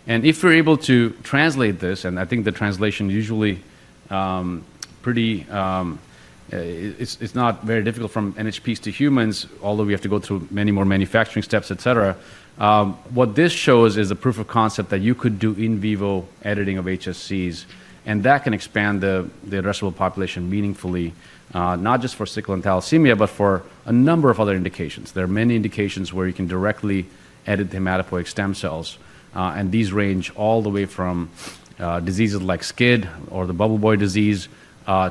F: And if we're able to translate this, and I think the translation usually is not very difficult from NHPs to humans, although we have to go through many more manufacturing steps, etc., what this shows is a proof of concept that you could do in vivo editing of HSCs. And that can expand the addressable population meaningfully, not just for sickle and thalassemia, but for a number of other indications. There are many indications where you can directly edit hematopoietic stem cells, and these range all the way from diseases like SCID or the bubble boy disease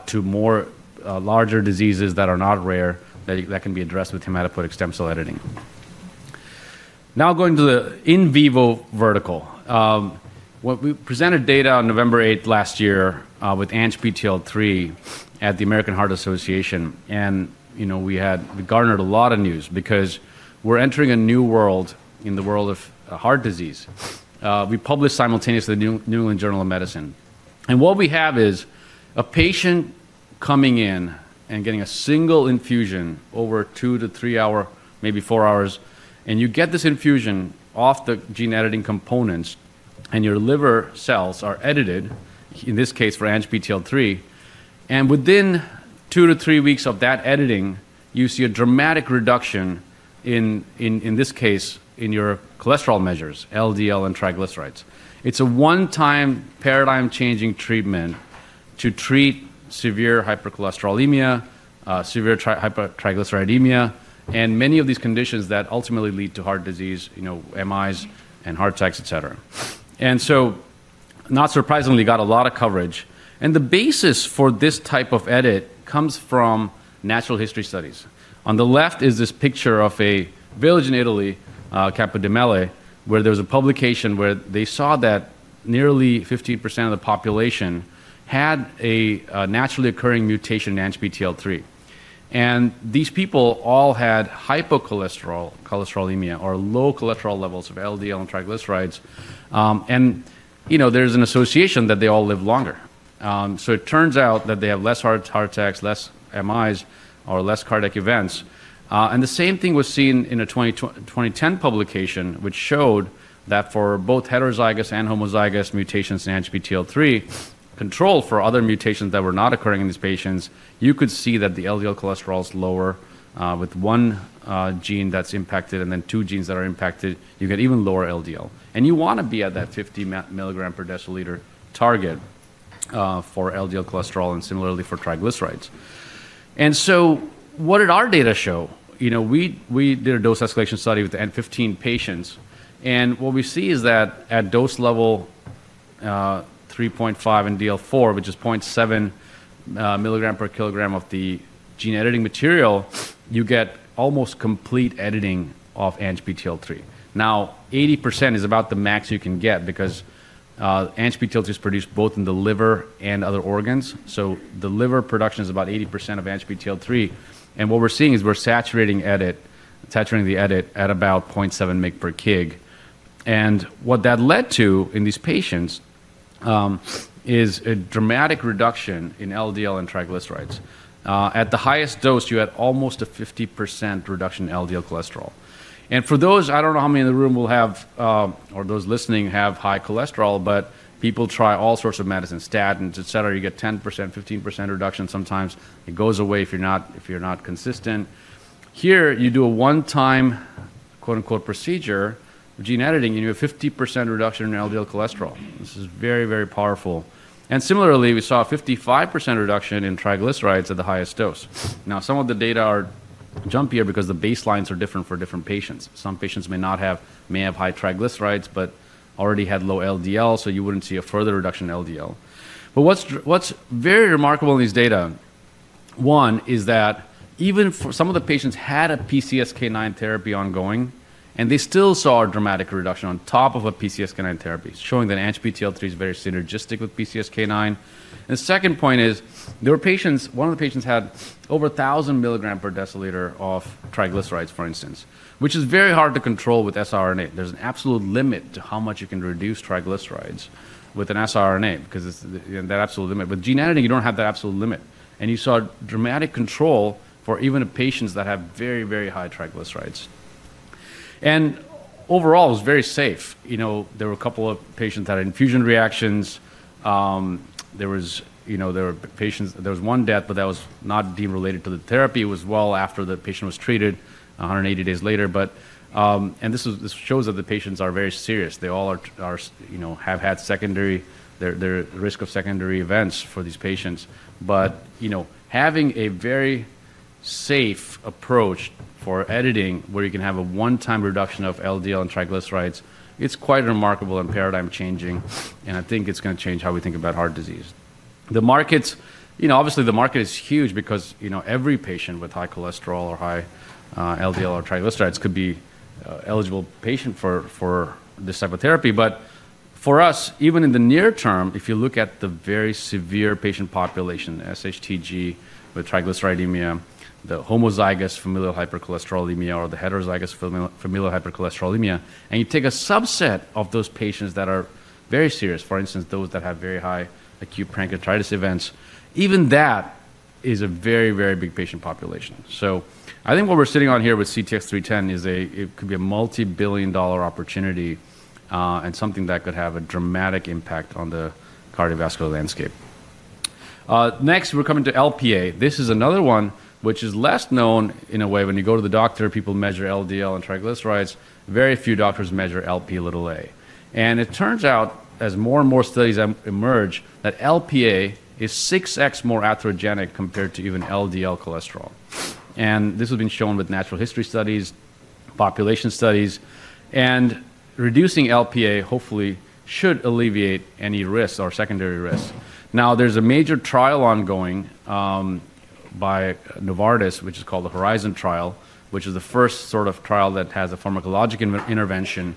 F: to more larger diseases that are not rare that can be addressed with hematopoietic stem cell editing. Now going to the in vivo vertical. We presented data on November 8 last year with ANGPTL3 at the American Heart Association, and we garnered a lot of news because we're entering a new world in the world of heart disease. We published simultaneously in the New England Journal of Medicine, and what we have is a patient coming in and getting a single infusion over two-to-three hours, maybe four hours. You get this infusion of the gene editing components, and your liver cells are edited, in this case, for ANGPTL3. And within two to three weeks of that editing, you see a dramatic reduction in, in this case, in your cholesterol measures, LDL and triglycerides. It's a one-time paradigm-changing treatment to treat severe hypercholesterolemia, severe hypertriglyceridemia, and many of these conditions that ultimately lead to heart disease, MIs and heart attacks, etc. And so, not surprisingly, got a lot of coverage. And the basis for this type of edit comes from natural history studies. On the left is this picture of a village in Italy, Capodimele, where there was a publication where they saw that nearly 15% of the population had a naturally occurring mutation in ANGPTL3. And these people all had hypocholesterolemia or low cholesterol levels of LDL and triglycerides. And there's an association that they all live longer. So it turns out that they have less heart attacks, less MIs, or less cardiac events. And the same thing was seen in a 2010 publication, which showed that for both heterozygous and homozygous mutations in ANGPTL3, control for other mutations that were not occurring in these patients, you could see that the LDL cholesterol is lower with one gene that's impacted and then two genes that are impacted. You get even lower LDL. And you want to be at that 50 mg per deciliter target for LDL cholesterol and similarly for triglycerides. And so what did our data show? We did a dose escalation study with 15 patients. And what we see is that at dose level 3.5 in DL4, which is 0.7 milligram per kilogram of the gene editing material, you get almost complete editing of ANGPTL3. Now, 80% is about the max you can get because ANGPTL3 is produced both in the liver and other organs. The liver production is about 80% of ANGPTL3. What we're seeing is we're saturating the edit at about 0.7 mg per kg. What that led to in these patients is a dramatic reduction in LDL and triglycerides. At the highest dose, you had almost a 50% reduction in LDL cholesterol. For those, I don't know how many in the room will have, or those listening have high cholesterol, but people try all sorts of medicines, statins, etc. You get 10%, 15% reduction. Sometimes it goes away if you're not consistent. Here, you do a one-time "procedure" of gene editing, and you have 50% reduction in LDL cholesterol. This is very, very powerful. Similarly, we saw a 55% reduction in triglycerides at the highest dose. Now, some of the data are jumpier because the baselines are different for different patients. Some patients may have high triglycerides but already had low LDL, so you wouldn't see a further reduction in LDL. But what's very remarkable in these data, one, is that even some of the patients had a PCSK9 therapy ongoing, and they still saw a dramatic reduction on top of a PCSK9 therapy, showing that ANGPTL3 is very synergistic with PCSK9. And the second point is there were patients, one of the patients had over 1,000 milligram per deciliter of triglycerides, for instance, which is very hard to control with siRNA. There's an absolute limit to how much you can reduce triglycerides with an siRNA because it's that absolute limit. With gene editing, you don't have that absolute limit. And you saw dramatic control for even patients that have very, very high triglycerides. And overall, it was very safe. There were a couple of patients that had infusion reactions. There were patients. There was one death, but that was not deemed related to the therapy. It was well after the patient was treated, 180 days later. And this shows that the patients are very serious. They all have had secondary risk of secondary events for these patients. But having a very safe approach for editing where you can have a one-time reduction of LDL and triglycerides, it's quite remarkable and paradigm-changing. And I think it's going to change how we think about heart disease. Obviously, the market is huge because every patient with high cholesterol or high LDL or triglycerides could be an eligible patient for this type of therapy. But for us, even in the near term, if you look at the very severe patient population, SHTG with hypertriglyceridemia, the homozygous familial hypercholesterolemia, or the heterozygous familial hypercholesterolemia, and you take a subset of those patients that are very serious, for instance, those that have very high acute pancreatitis events, even that is a very, very big patient population. So I think what we're sitting on here with CTX310 is it could be a multi-billion-dollar opportunity and something that could have a dramatic impact on the cardiovascular landscape. Next, we're coming to Lp(a). This is another one which is less known in a way. When you go to the doctor, people measure LDL and triglycerides. Very few doctors measure Lp(a). And it turns out, as more and more studies emerge, that Lp(a) is 6x more atherogenic compared to even LDL cholesterol. This has been shown with natural history studies, population studies, and reducing Lp(a) hopefully should alleviate any risks or secondary risks. Now, there's a major trial ongoing by Novartis, which is called the Horizon Trial, which is the first sort of trial that has a pharmacologic intervention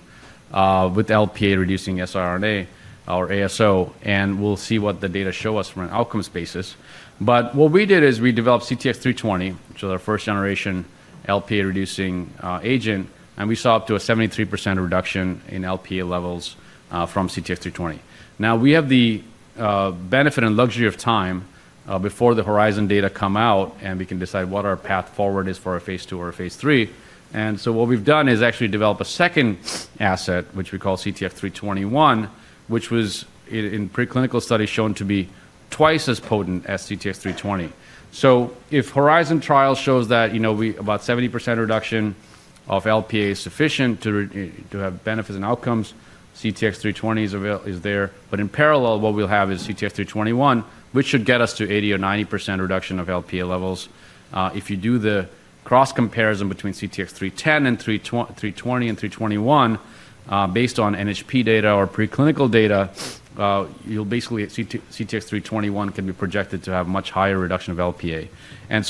F: with Lp(a) reducing siRNA or ASO. And we'll see what the data show us from an outcomes basis. But what we did is we developed CTX320, which is our first-generation Lp(a)-reducing agent. And we saw up to a 73% reduction in Lp(a) levels from CTX320. Now, we have the benefit and luxury of time before the Horizon data come out, and we can decide what our path forward is for a phase two or a phase three. What we've done is actually develop a second asset, which we call CTX321, which was, in preclinical studies, shown to be twice as potent as CTX320. If the Horizon trial shows that about 70% reduction of Lp(a) is sufficient to have benefits and outcomes, CTX320 is there. But in parallel, what we'll have is CTX321, which should get us to 80% or 90% reduction of Lp(a) levels. If you do the cross-comparison between CTX310 and 320 and 321, based on NHP data or preclinical data, you'll basically see CTX321 can be projected to have a much higher reduction of Lp(a).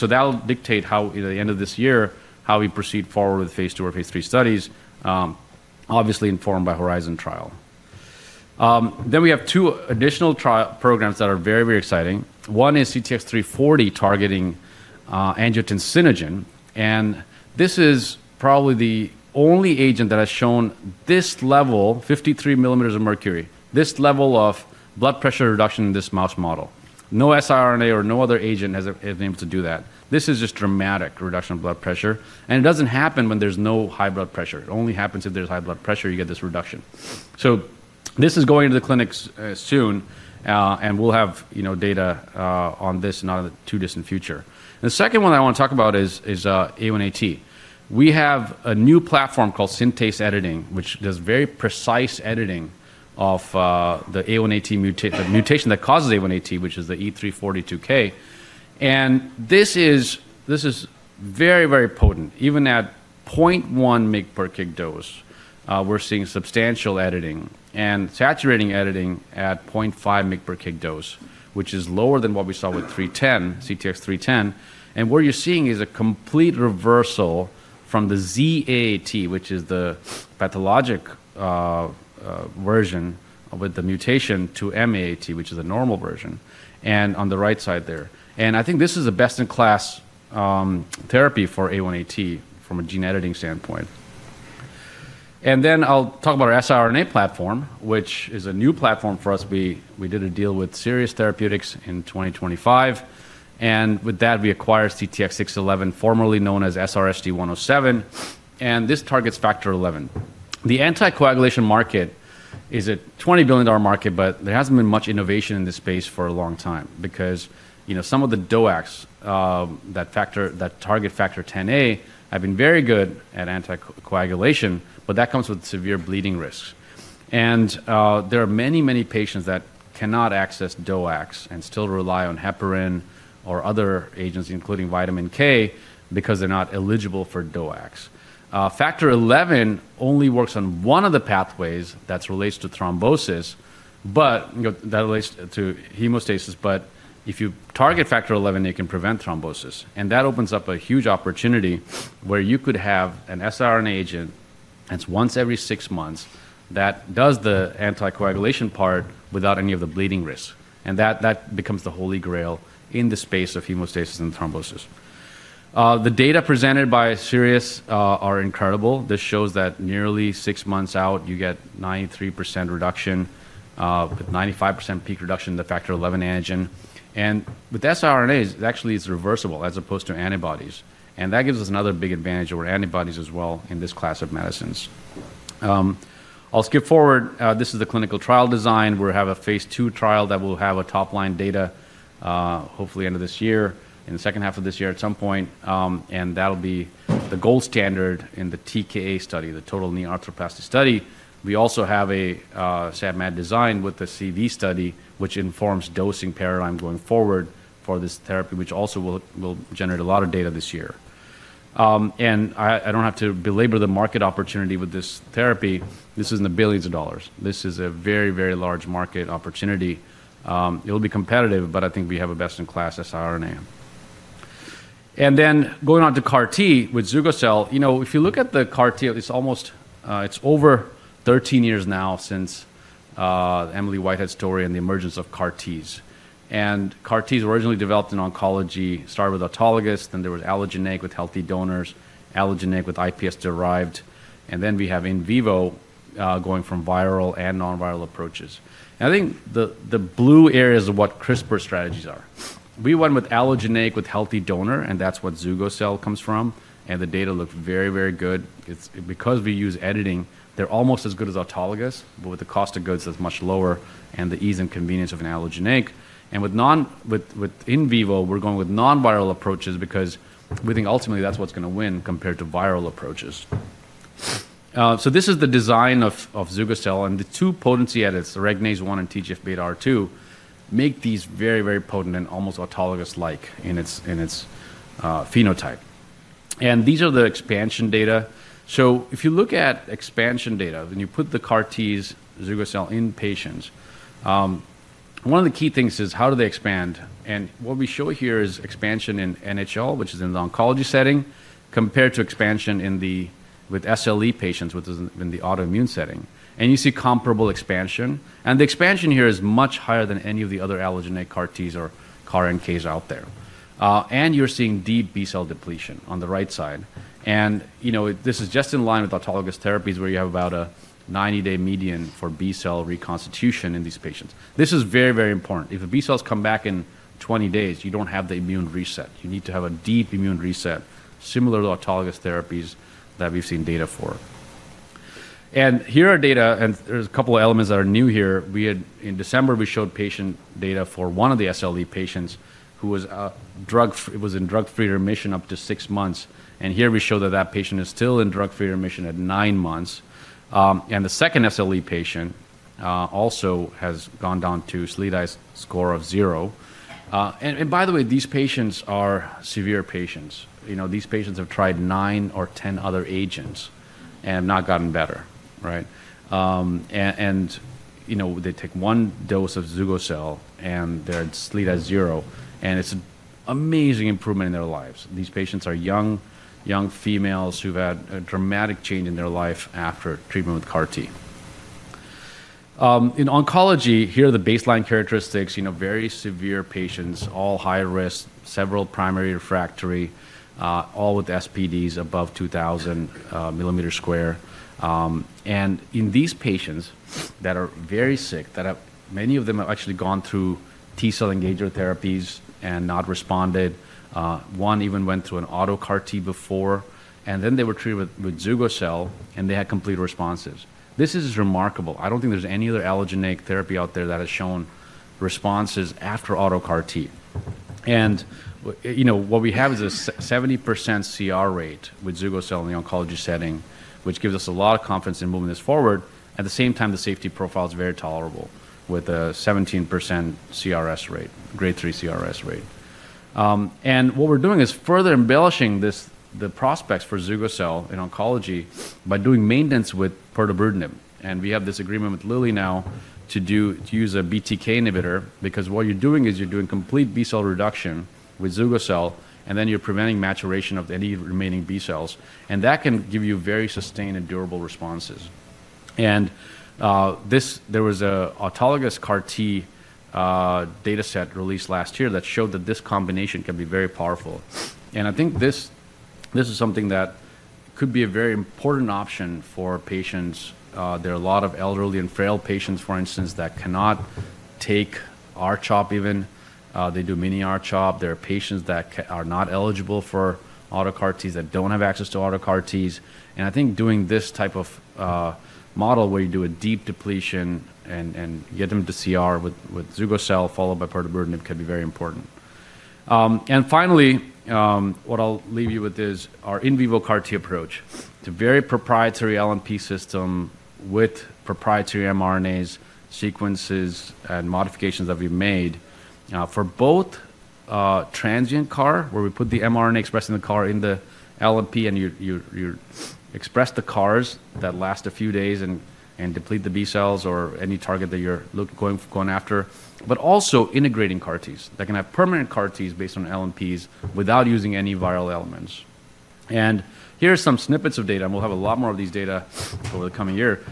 F: That'll dictate how, at the end of this year, how we proceed forward with phase two or phase three studies, obviously informed by the Horizon trial. Then we have two additional programs that are very, very exciting. One is CTX340, targeting angiotensinogen. This is probably the only agent that has shown this level, 53 millimeters of mercury, this level of blood pressure reduction in this mouse model. No siRNA or no other agent has been able to do that. This is just a dramatic reduction of blood pressure. It doesn't happen when there's no high blood pressure. It only happens if there's high blood pressure; you get this reduction. This is going into the clinics soon, and we'll have data on this not in the too distant future. The second one I want to talk about is A1AT. We have a new platform called Syntace Editing, which does very precise editing of the A1AT mutation that causes A1AT, which is the E342K. This is very, very potent. Even at 0.1 mg/kg dose, we're seeing substantial editing and saturating editing at 0.5 mg/kg dose, which is lower than what we saw with CTX310. And what you're seeing is a complete reversal from the Z-AAT, which is the pathologic version with the mutation, to M-AAT, which is the normal version. And on the right side there. And I think this is a best-in-class therapy for A1AT from a gene editing standpoint. And then I'll talk about our siRNA platform, which is a new platform for us. We did a deal with Sirius Therapeutics in 2025. And with that, we acquired CTX611, formerly known as SRSD107. And this targets Factor XI. The anticoagulation market is a $20 billion market, but there hasn't been much innovation in this space for a long time because some of the DOACs that target factor Xa have been very good at anticoagulation, but that comes with severe bleeding risks. And there are many, many patients that cannot access DOACs and still rely on heparin or other agents, including vitamin K, because they're not eligible for DOACs. Factor XI only works on one of the pathways that relates to thrombosis, but that relates to hemostasis. But if you target Factor XI, it can prevent thrombosis. And that opens up a huge opportunity where you could have an siRNA agent that's once every six months that does the anticoagulation part without any of the bleeding risk. And that becomes the holy grail in the space of hemostasis and thrombosis. The data presented by Sirius are incredible. This shows that nearly six months out, you get 93% reduction, 95% peak reduction in the Factor XI antigen, and with siRNAs, it actually is reversible as opposed to antibodies. And that gives us another big advantage over antibodies as well in this class of medicines. I'll skip forward. This is the clinical trial design. We have a phase II trial that will have top-line data, hopefully end of this year, in the second half of this year at some point, and that'll be the gold standard in the TKA study, the total knee arthroplasty study. We also have a SAD/MAD design with the CV study, which informs dosing paradigm going forward for this therapy, which also will generate a lot of data this year, and I don't have to belabor the market opportunity with this therapy. This is in the billions of dollars. This is a very, very large market opportunity. It'll be competitive, but I think we have a best-in-class siRNA. And then going on to CAR-T with Zugocel. If you look at the CAR-T, it's over 13 years now since Emily Whitehead's story and the emergence of CAR-Ts. And CAR-Ts were originally developed in oncology, started with autologous, then there was allogeneic with healthy donors, allogeneic with iPS derived. And then we have in vivo going from viral and non-viral approaches. And I think the blue areas of what CRISPR strategies are. We went with allogeneic with healthy donor, and that's what Zugocel comes from. And the data look very, very good. Because we use editing, they're almost as good as autologous, but with the cost of goods that's much lower and the ease and convenience of an allogeneic. With in vivo, we're going with non-viral approaches because we think ultimately that's what's going to win compared to viral approaches. This is the design of Zugocel. The two potency edits, the Regnase-1 and TGFβR2, make these very, very potent and almost autologous-like in its phenotype. These are the expansion data. If you look at expansion data, when you put the CAR-Ts, Zugocel in patients, one of the key things is how do they expand. What we show here is expansion in NHL, which is in the oncology setting, compared to expansion with SLE patients, which is in the autoimmune setting. You see comparable expansion. The expansion here is much higher than any of the other allogeneic CAR-Ts or CAR-NKs out there. You're seeing deep B-cell depletion on the right side. And this is just in line with autologous therapies where you have about a 90-day median for B-cell reconstitution in these patients. This is very, very important. If the B-cells come back in 20 days, you don't have the immune reset. You need to have a deep immune reset, similar to autologous therapies that we've seen data for. And here are data, and there's a couple of elements that are new here. In December, we showed patient data for one of the SLE patients who was in drug-free remission up to six months. And here we show that that patient is still in drug-free remission at nine months. And the second SLE patient also has gone down to SLEDA score of zero. And by the way, these patients are severe patients. These patients have tried nine or 10 other agents and have not gotten better. And they take one dose of Zugocel, and they're SLEDA zero. And it's an amazing improvement in their lives. These patients are young females who've had a dramatic change in their life after treatment with CAR-T. In oncology, here are the baseline characteristics. Very severe patients, all high risk, several primary refractory, all with SPDs above 2,000 millimeters square. And in these patients that are very sick, many of them have actually gone through T-cell engager therapies and not responded. One even went through an auto CAR-T before. And then they were treated with Zugocel, and they had complete responses. This is remarkable. I don't think there's any other allogeneic therapy out there that has shown responses after auto CAR-T. And what we have is a 70% CR rate with Zugocel in the oncology setting, which gives us a lot of confidence in moving this forward. At the same time, the safety profile is very tolerable with a 17% CRS rate, grade 3 CRS rate, and what we're doing is further embellishing the prospects for Zugocel in oncology by doing maintenance with pirtobrutinib. And we have this agreement with Lilly now to use a BTK inhibitor because what you're doing is you're doing complete B-cell reduction with Zugocel, and then you're preventing maturation of any remaining B-cells, and that can give you very sustained and durable responses, and there was an autologous CAR-T dataset released last year that showed that this combination can be very powerful. And I think this is something that could be a very important option for patients. There are a lot of elderly and frail patients, for instance, that cannot take R-CHOP even. They do mini R-CHOP. There are patients that are not eligible for auto CAR-Ts, that don't have access to auto CAR-Ts. And I think doing this type of model where you do a deep depletion and get them to CR with Zugocel followed by pirtobrutinib can be very important. And finally, what I'll leave you with is our in vivo CAR-T approach. It's a very proprietary LNP system with proprietary mRNAs, sequences, and modifications that we've made for both transient CAR, where we put the mRNA expressing the CAR in the LNP, and you express the CARs that last a few days and deplete the B-cells or any target that you're going after, but also integrating CAR-Ts that can have permanent CAR-Ts based on LNPs without using any viral elements. And here are some snippets of data. And we'll have a lot more of these data over the coming year.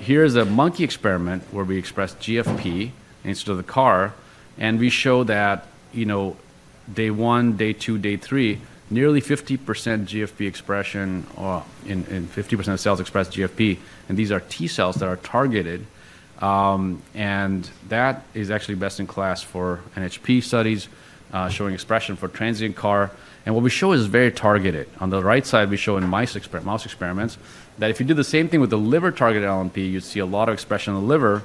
F: Here is a monkey experiment where we express GFP instead of the CAR. We show that day one, day two, day three, nearly 50% GFP expression and 50% of cells express GFP. These are T-cells that are targeted. That is actually best in class for NHP studies showing expression for transient CAR. What we show is very targeted. On the right side, we show in mouse experiments that if you do the same thing with the liver-targeted LNP, you'd see a lot of expression in the liver.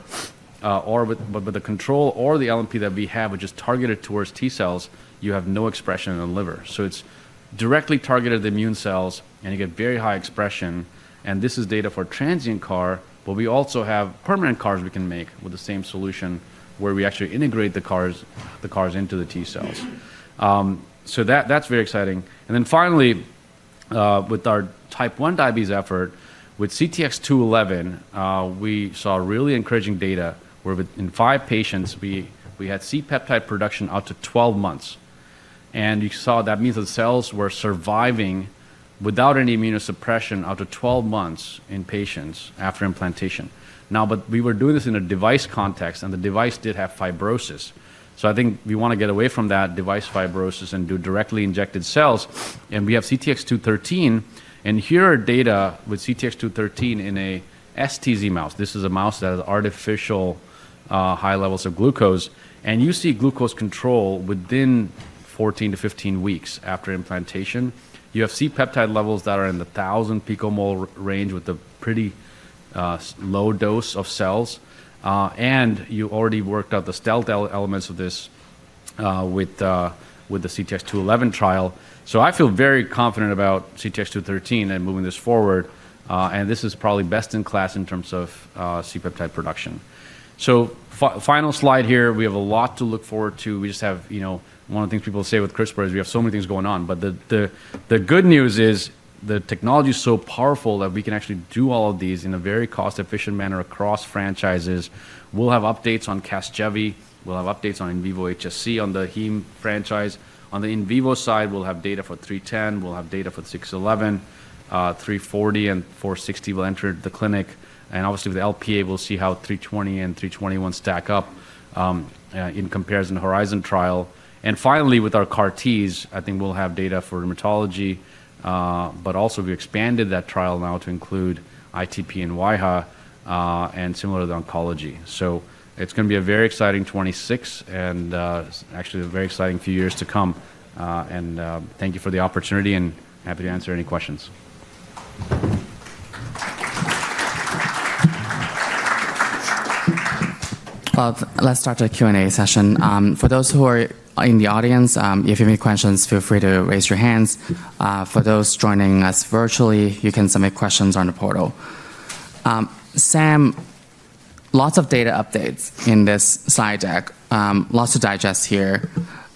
F: With the control or the LNP that we have, which is targeted towards T-cells, you have no expression in the liver. It's directly targeted immune cells, and you get very high expression. This is data for transient CAR, but we also have permanent CARs we can make with the same solution where we actually integrate the CARs into the T-cells. So that's very exciting. And then finally, with our type 1 diabetes effort, with CTX211, we saw really encouraging data where in five patients, we had C-peptide production out to 12 months. And you saw that means the cells were surviving without any immunosuppression out to 12 months in patients after implantation. Now, but we were doing this in a device context, and the device did have fibrosis. So I think we want to get away from that device fibrosis and do directly injected cells. And we have CTX213. And here are data with CTX213 in an STZ mouse. This is a mouse that has artificial high levels of glucose. You see glucose control within 14-15 weeks after implantation. You have C-peptide levels that are in the 1,000 picomole range with a pretty low dose of cells. You already worked out the stealth elements of this with the CTX211 trial. I feel very confident about CTX213 and moving this forward. This is probably best-in-class in terms of C-peptide production. Final slide here. We have a lot to look forward to. We just have one of the things people say with CRISPR is we have so many things going on. The good news is the technology is so powerful that we can actually do all of these in a very cost-efficient manner across franchises. We'll have updates on Casgevy. We'll have updates on in vivo HSC on the Heme franchise. On the in vivo side, we'll have data for 310. We'll have data for 611. 340 and 460 will enter the clinic. And obviously, with LPA, we'll see how 320 and 321 stack up in comparison to Horizon trial. And finally, with our CAR-Ts, I think we'll have data for rheumatology. But also, we expanded that trial now to include ITP and AIHA and similar to the oncology. So it's going to be a very exciting 2026 and actually a very exciting few years to come. And thank you for the opportunity and happy to answer any questions.
A: Well, let's start the Q&A session. For those who are in the audience, if you have any questions, feel free to raise your hands. For those joining us virtually, you can submit questions on the portal. Sam, lots of data updates in this slide deck. Lots to digest here.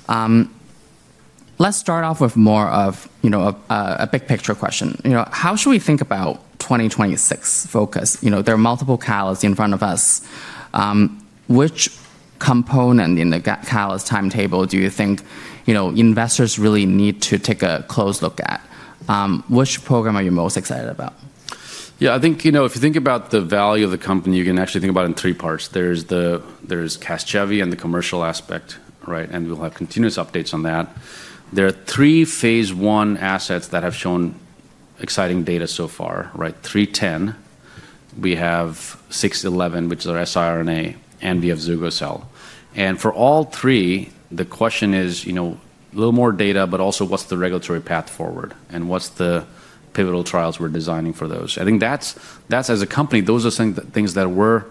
A: Let's start off with more of a big picture question. How should we think about 2026 focus? There are multiple calls in front of us. Which component in the catalyst timetable do you think investors really need to take a close look at? Which program are you most excited about?
F: Yeah, I think if you think about the value of the company, you can actually think about it in three parts. There's Casgevy and the commercial aspect, and we'll have continuous updates on that. There are three phase I assets that have shown exciting data so far. 310, we have 611, which is our siRNA, and we have Zugocel, and for all three, the question is a little more data, but also what's the regulatory path forward and what's the pivotal trials we're designing for those. I think that's as a company, those are things that we're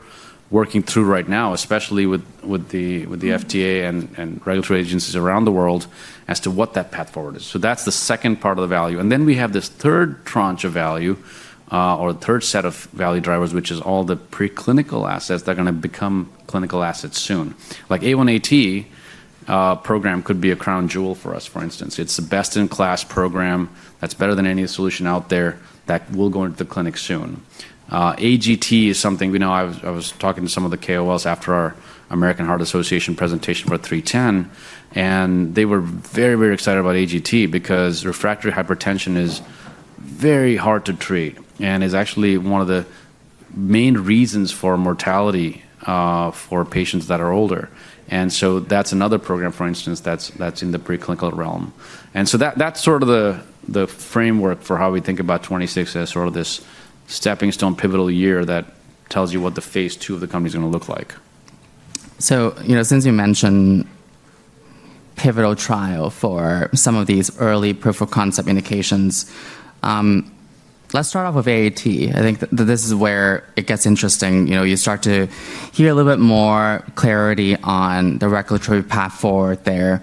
F: working through right now, especially with the FDA and regulatory agencies around the world as to what that path forward is, so that's the second part of the value. And then we have this third tranche of value or third set of value drivers, which is all the preclinical assets that are going to become clinical assets soon. Like A1AT program could be a crown jewel for us, for instance. It's the best-in-class program that's better than any solution out there that will go into the clinic soon. AGT is something we know. I was talking to some of the KOLs after our American Heart Association presentation for 310. And they were very, very excited about AGT because refractory hypertension is very hard to treat and is actually one of the main reasons for mortality for patients that are older. And so that's another program, for instance, that's in the preclinical realm. And so that's sort of the framework for how we think about 2026 as sort of this stepping stone pivotal year that tells you what the phase II of the company is going to look like.
A: So since you mentioned pivotal trial for some of these early proof of concept indications, let's start off with AAT. I think this is where it gets interesting. You start to hear a little bit more clarity on the regulatory path forward there.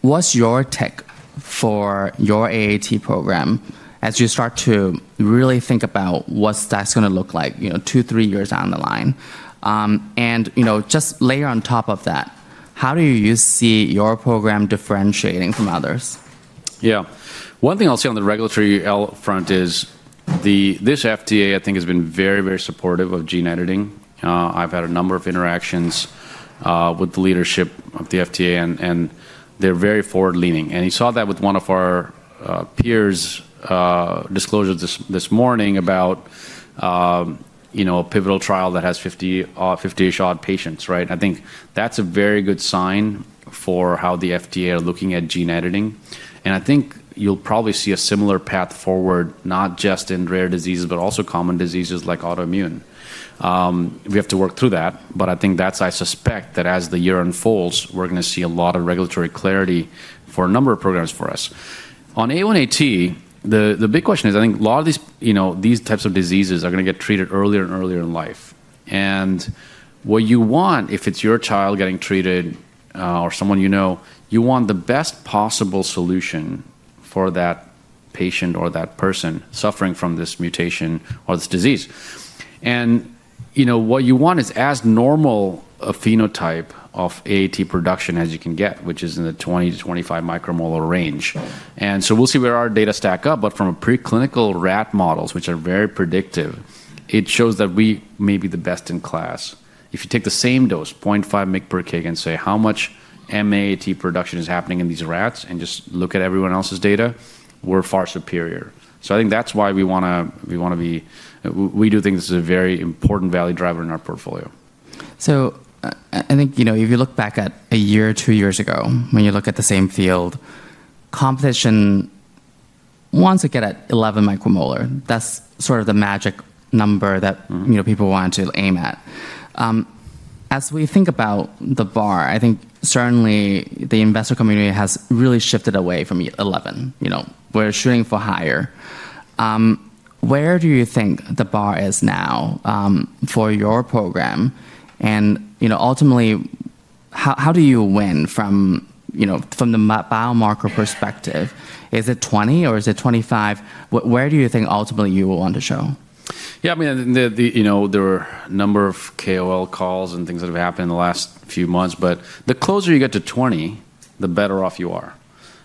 A: What's your take for your AAT program as you start to really think about what's that going to look like two, three years down the line? And just layer on top of that, how do you see your program differentiating from others?
F: Yeah. One thing I'll say on the regulatory front is this FDA, I think, has been very, very supportive of gene editing. I've had a number of interactions with the leadership of the FDA, and they're very forward-leaning. And you saw that with one of our peers' disclosures this morning about a pivotal trial that has 50-ish odd patients. I think that's a very good sign for how the FDA are looking at gene editing. And I think you'll probably see a similar path forward, not just in rare diseases, but also common diseases like autoimmune. We have to work through that. But I think that's, I suspect, that as the year unfolds, we're going to see a lot of regulatory clarity for a number of programs for us. On A1AT, the big question is, I think a lot of these types of diseases are going to get treated earlier and earlier in life, and what you want, if it's your child getting treated or someone you know, you want the best possible solution for that patient or that person suffering from this mutation or this disease, and what you want is as normal a phenotype of AAT production as you can get, which is in the 20-25 micromolar range, and so we'll see where our data stack up, but from preclinical rat models, which are very predictive, it shows that we may be the best in class. If you take the same dose, 0.5 mg per kg, and say how much AAT production is happening in these rats and just look at everyone else's data, we're far superior. So I think that's why we do think this is a very important value driver in our portfolio.
A: So I think if you look back at a year or two years ago, when you look at the same field, competition wants to get at 11 micromolar. That's sort of the magic number that people want to aim at. As we think about the bar, I think certainly the investor community has really shifted away from 11. We're shooting for higher. Where do you think the bar is now for your program? And ultimately, how do you win from the biomarker perspective? Is it 20 or is it 25? Where do you think ultimately you will want to show?
F: Yeah, I mean, there are a number of KOL calls and things that have happened in the last few months, but the closer you get to 20, the better off you are.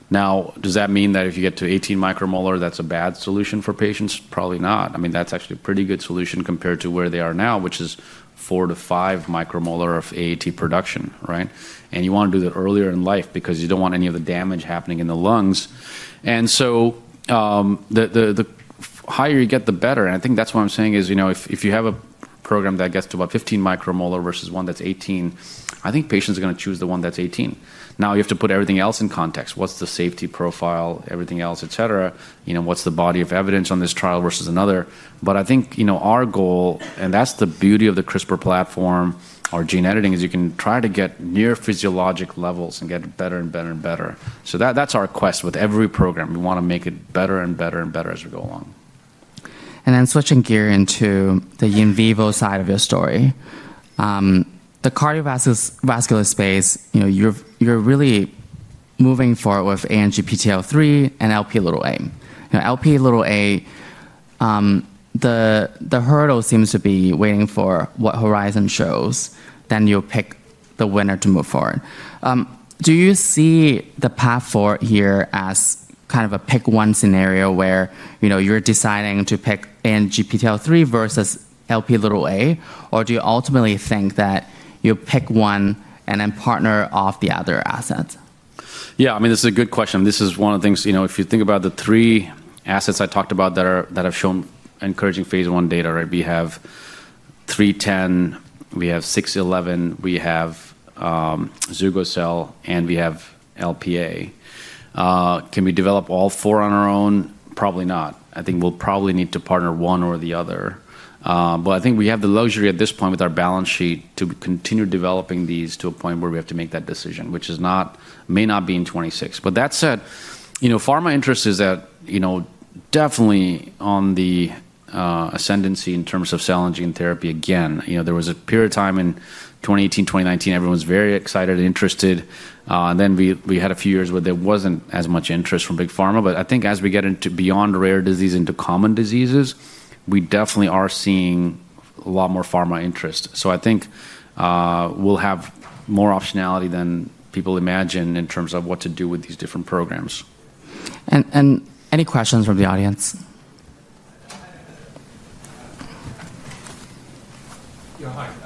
F: Now, does that mean that if you get to 18 micromolar, that's a bad solution for patients? Probably not. I mean, that's actually a pretty good solution compared to where they are now, which is 4-5 micromolar of AAT production, and you want to do that earlier in life because you don't want any of the damage happening in the lungs, and so the higher you get, the better, and I think that's what I'm saying is if you have a program that gets to about 15 micromolar versus one that's 18, I think patients are going to choose the one that's 18. Now, you have to put everything else in context. What's the safety profile, everything else, et cetera? What's the body of evidence on this trial versus another? But I think our goal, and that's the beauty of the CRISPR platform, our gene editing, is you can try to get near physiologic levels and get better and better and better. So that's our quest with every program. We want to make it better and better and better as we go along.
A: And then, switching gear into the in vivo side of your story, the cardiovascular space, you're really moving forward with ANGPTL3 and Lp(a). Lp(a), the hurdle seems to be waiting for what Horizon shows, then you'll pick the winner to move forward. Do you see the path forward here as kind of a pick one scenario where you're deciding to pick ANGPTL3 versus Lp(a)? Or do you ultimately think that you'll pick one and then partner off the other assets?
F: Yeah, I mean, this is a good question. This is one of the things. If you think about the three assets I talked about that have shown encouraging phase one data, we have 310, we have 611, we have Zugocel, and we have LPA. Can we develop all four on our own? Probably not. I think we'll probably need to partner one or the other. But I think we have the luxury at this point with our balance sheet to continue developing these to a point where we have to make that decision, which may not be in 26. But that said, pharma interest is definitely on the ascendancy in terms of cell and gene therapy. Again, there was a period of time in 2018, 2019, everyone was very excited and interested. And then we had a few years where there wasn't as much interest from big pharma. But I think as we get into beyond rare disease into common diseases, we definitely are seeing a lot more pharma interest. So I think we'll have more optionality than people imagine in terms of what to do with these different programs.
A: Any questions from the audience?
G: Yeah, hi.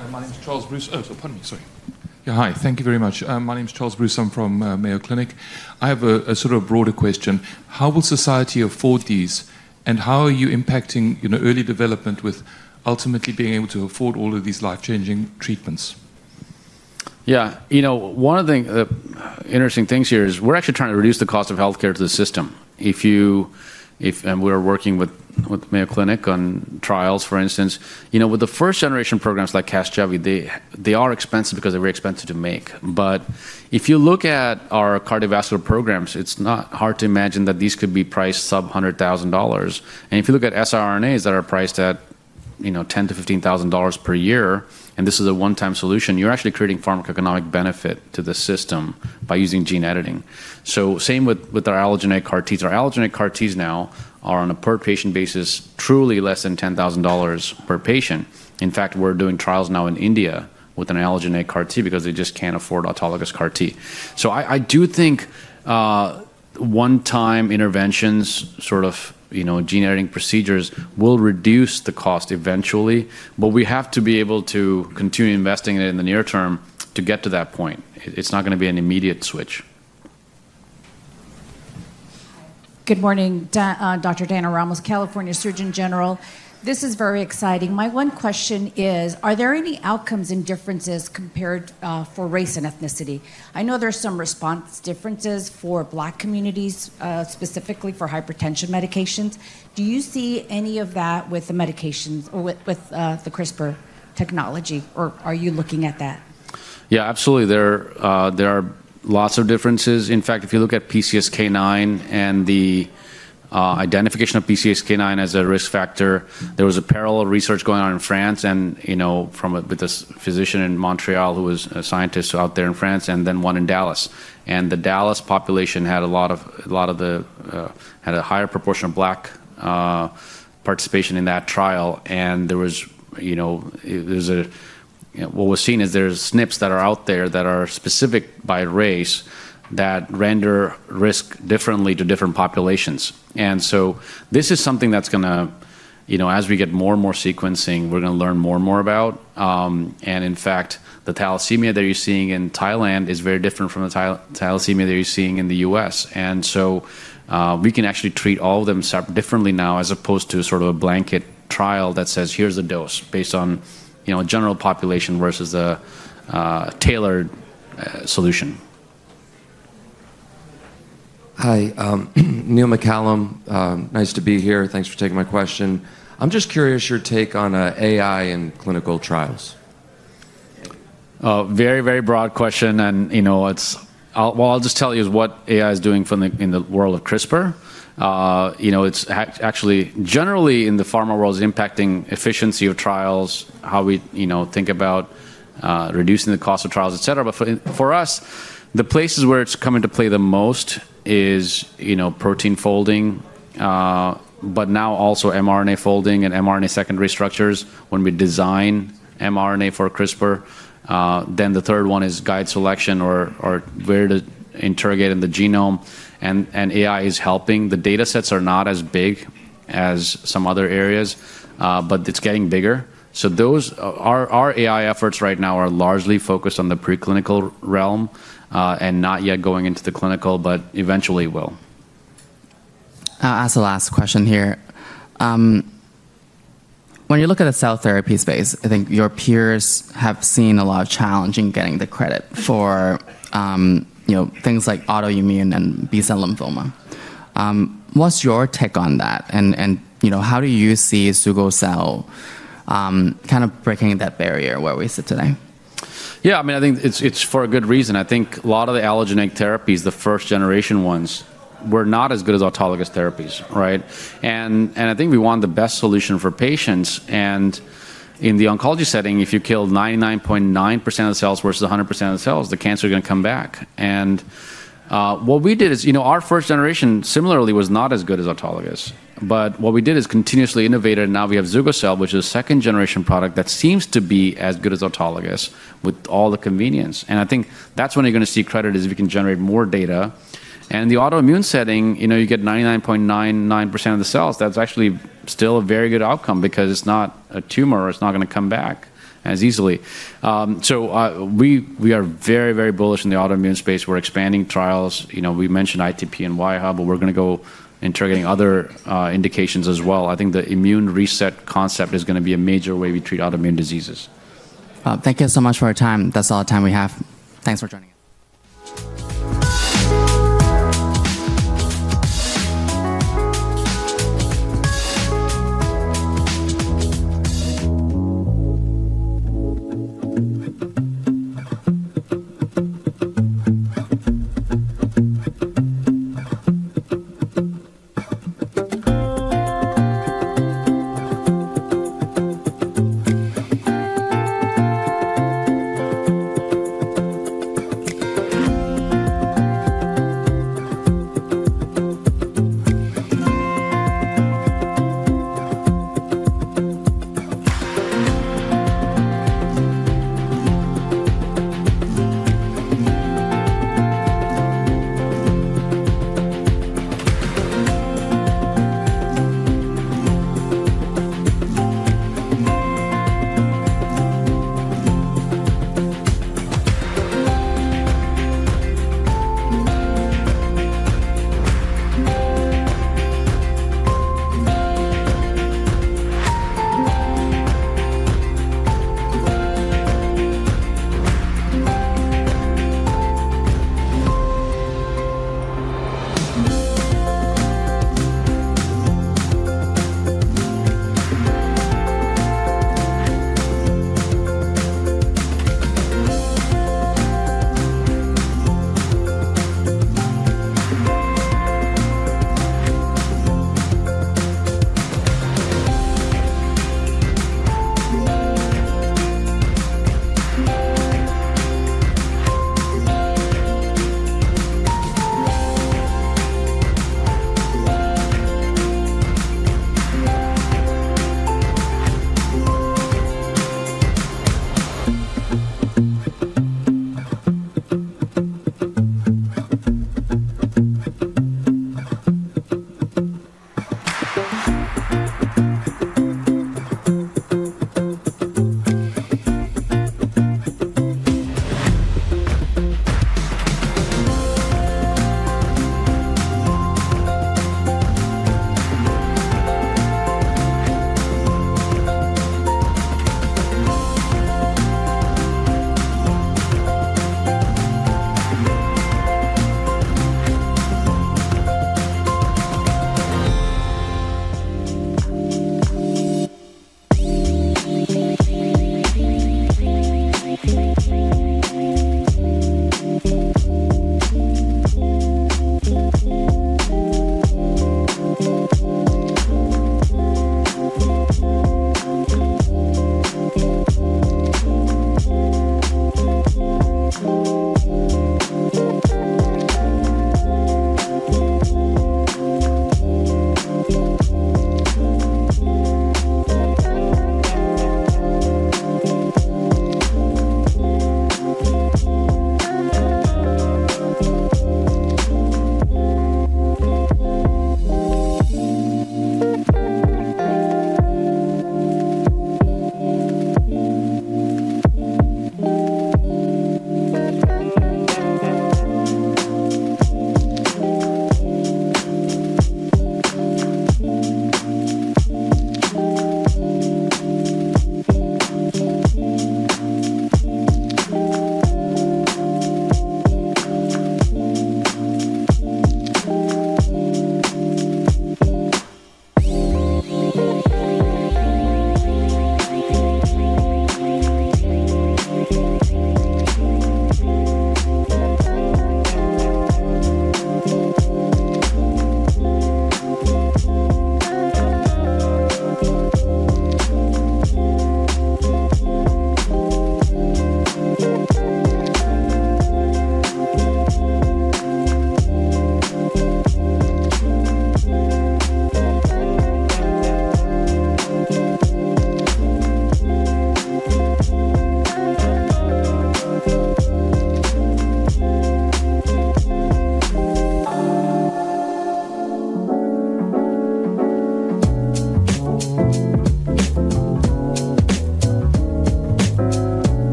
G: Thank you very much. My name is Charles Bruce. I'm from Mayo Clinic. I have a sort of broader question. How will society afford these? And how are you impacting early development with ultimately being able to afford all of these life-changing treatments?
F: Yeah, one of the interesting things here is we're actually trying to reduce the cost of health care to the system, and we're working with Mayo Clinic on trials, for instance. With the first generation programs like Casgevy, they are expensive because they're very expensive to make, but if you look at our cardiovascular programs, it's not hard to imagine that these could be priced sub $100,000, and if you look at siRNAs that are priced at $10,000-$15,000 per year, and this is a one-time solution, you're actually creating pharmacogenomic benefit to the system by using gene editing, so same with our allogeneic CAR-Ts. Our allogeneic CAR-Ts now are on a per patient basis, truly less than $10,000 per patient. In fact, we're doing trials now in India with an allogeneic CAR-T because they just can't afford autologous CAR-T. So I do think one-time interventions, sort of gene editing procedures, will reduce the cost eventually. But we have to be able to continue investing in it in the near term to get to that point. It's not going to be an immediate switch.
H: Good morning, Dr. Dana Ramos, California Surgeon General. This is very exciting. My one question is, are there any outcomes and differences compared for race and ethnicity? I know there are some response differences for Black communities, specifically for hypertension medications. Do you see any of that with the medications with the CRISPR technology, or are you looking at that?
F: Yeah, absolutely. There are lots of differences. In fact, if you look at PCSK9 and the identification of PCSK9 as a risk factor, there was a parallel research going on in France and with a physician in Montreal who was a scientist out there in France and then one in Dallas. And the Dallas population had a higher proportion of Black participation in that trial. And there was what was seen is there are SNPs that are out there that are specific by race that render risk differently to different populations. And so this is something that's going to, as we get more and more sequencing, we're going to learn more and more about. And in fact, the thalassemia that you're seeing in Thailand is very different from the thalassemia that you're seeing in the US. And so we can actually treat all of them differently now as opposed to sort of a blanket trial that says, here's the dose based on general population versus a tailored solution.
I: Hi, Neil McCallum. Nice to be here. Thanks for taking my question. I'm just curious your take on AI in clinical trials.
F: Very, very broad question, and what I'll just tell you is what AI is doing in the world of CRISPR. It's actually generally in the pharma world is impacting efficiency of trials, how we think about reducing the cost of trials, et cetera. But for us, the places where it's coming to play the most is protein folding, but now also mRNA folding and mRNA secondary structures when we design mRNA for CRISPR. Then the third one is guide selection or where to interrogate in the genome, and AI is helping. The data sets are not as big as some other areas, but it's getting bigger. So our AI efforts right now are largely focused on the preclinical realm and not yet going into the clinical, but eventually will.
I: I'll ask the last question here. When you look at the cell therapy space, I think your peers have seen a lot of challenge in getting the credit for things like autoimmune and B-cell lymphoma. What's your take on that? And how do you see Zugocel kind of breaking that barrier where we sit today?
F: Yeah, I mean, I think it's for a good reason. I think a lot of the allogeneic therapies, the first generation ones, were not as good as autologous therapies, right? And I think we want the best solution for patients. And in the oncology setting, if you kill 99.9% of the cells versus 100% of the cells, the cancer is going to come back. And what we did is our first generation, similarly, was not as good as autologous. But what we did is continuously innovated. And now we have Zugocel, which is a second generation product that seems to be as good as autologous with all the convenience. And I think that's when you're going to see credit is if we can generate more data. And in the autoimmune setting, you get 99.99% of the cells. That's actually still a very good outcome because it's not a tumor or it's not going to come back as easily. So we are very, very bullish in the autoimmune space. We're expanding trials. We mentioned ITP and AIHA, but we're going to go interrogating other indications as well. I think the immune reset concept is going to be a major way we treat autoimmune diseases.
A: Thank you so much for your time. That's all the time we have. Thanks for joining us.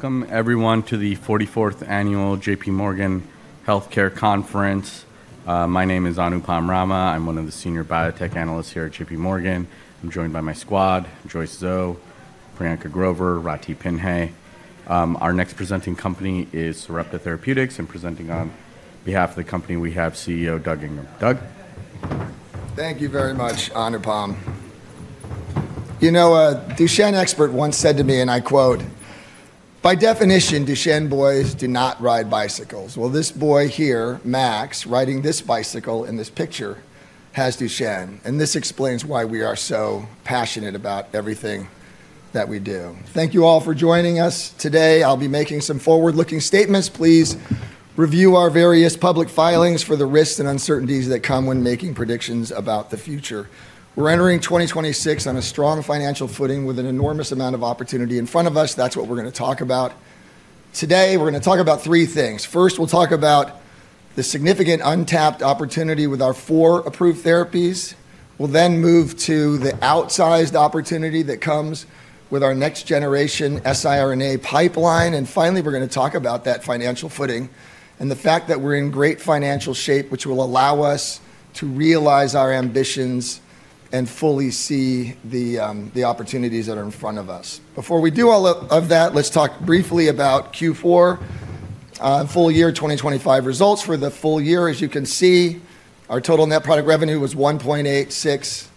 J: Welcome, everyone, to the 44th Annual J.P. Morgan Healthcare Conference. My name is Anupam Rama. I'm one of the senior biotech analysts here at J.P. Morgan. I'm joined by my squad, Joyce Zhou, Priyanka Grover, and Ratih Pinhai. Our next presenting company is Sarepta Therapeutics. And presenting on behalf of the company, we have CEO Doug Ingram. Doug?
K: Thank you very much, Anupam. Duchenne expert once said to me, and I quote, "By definition, Duchenne boys do not ride bicycles." This boy here, Max, riding this bicycle in this picture, has Duchenne. This explains why we are so passionate about everything that we do. Thank you all for joining us today. I'll be making some forward-looking statements. Please review our various public filings for the risks and uncertainties that come when making predictions about the future. We're entering 2026 on a strong financial footing with an enormous amount of opportunity in front of us. That's what we're going to talk about. Today, we're going to talk about three things. First, we'll talk about the significant untapped opportunity with our four approved therapies. We'll then move to the outsized opportunity that comes with our next generation siRNA pipeline. And finally, we're going to talk about that financial footing and the fact that we're in great financial shape, which will allow us to realize our ambitions and fully see the opportunities that are in front of us. Before we do all of that, let's talk briefly about Q4, full year 2025 results. For the full year, as you can see, our total net product revenue was $1.86 billion.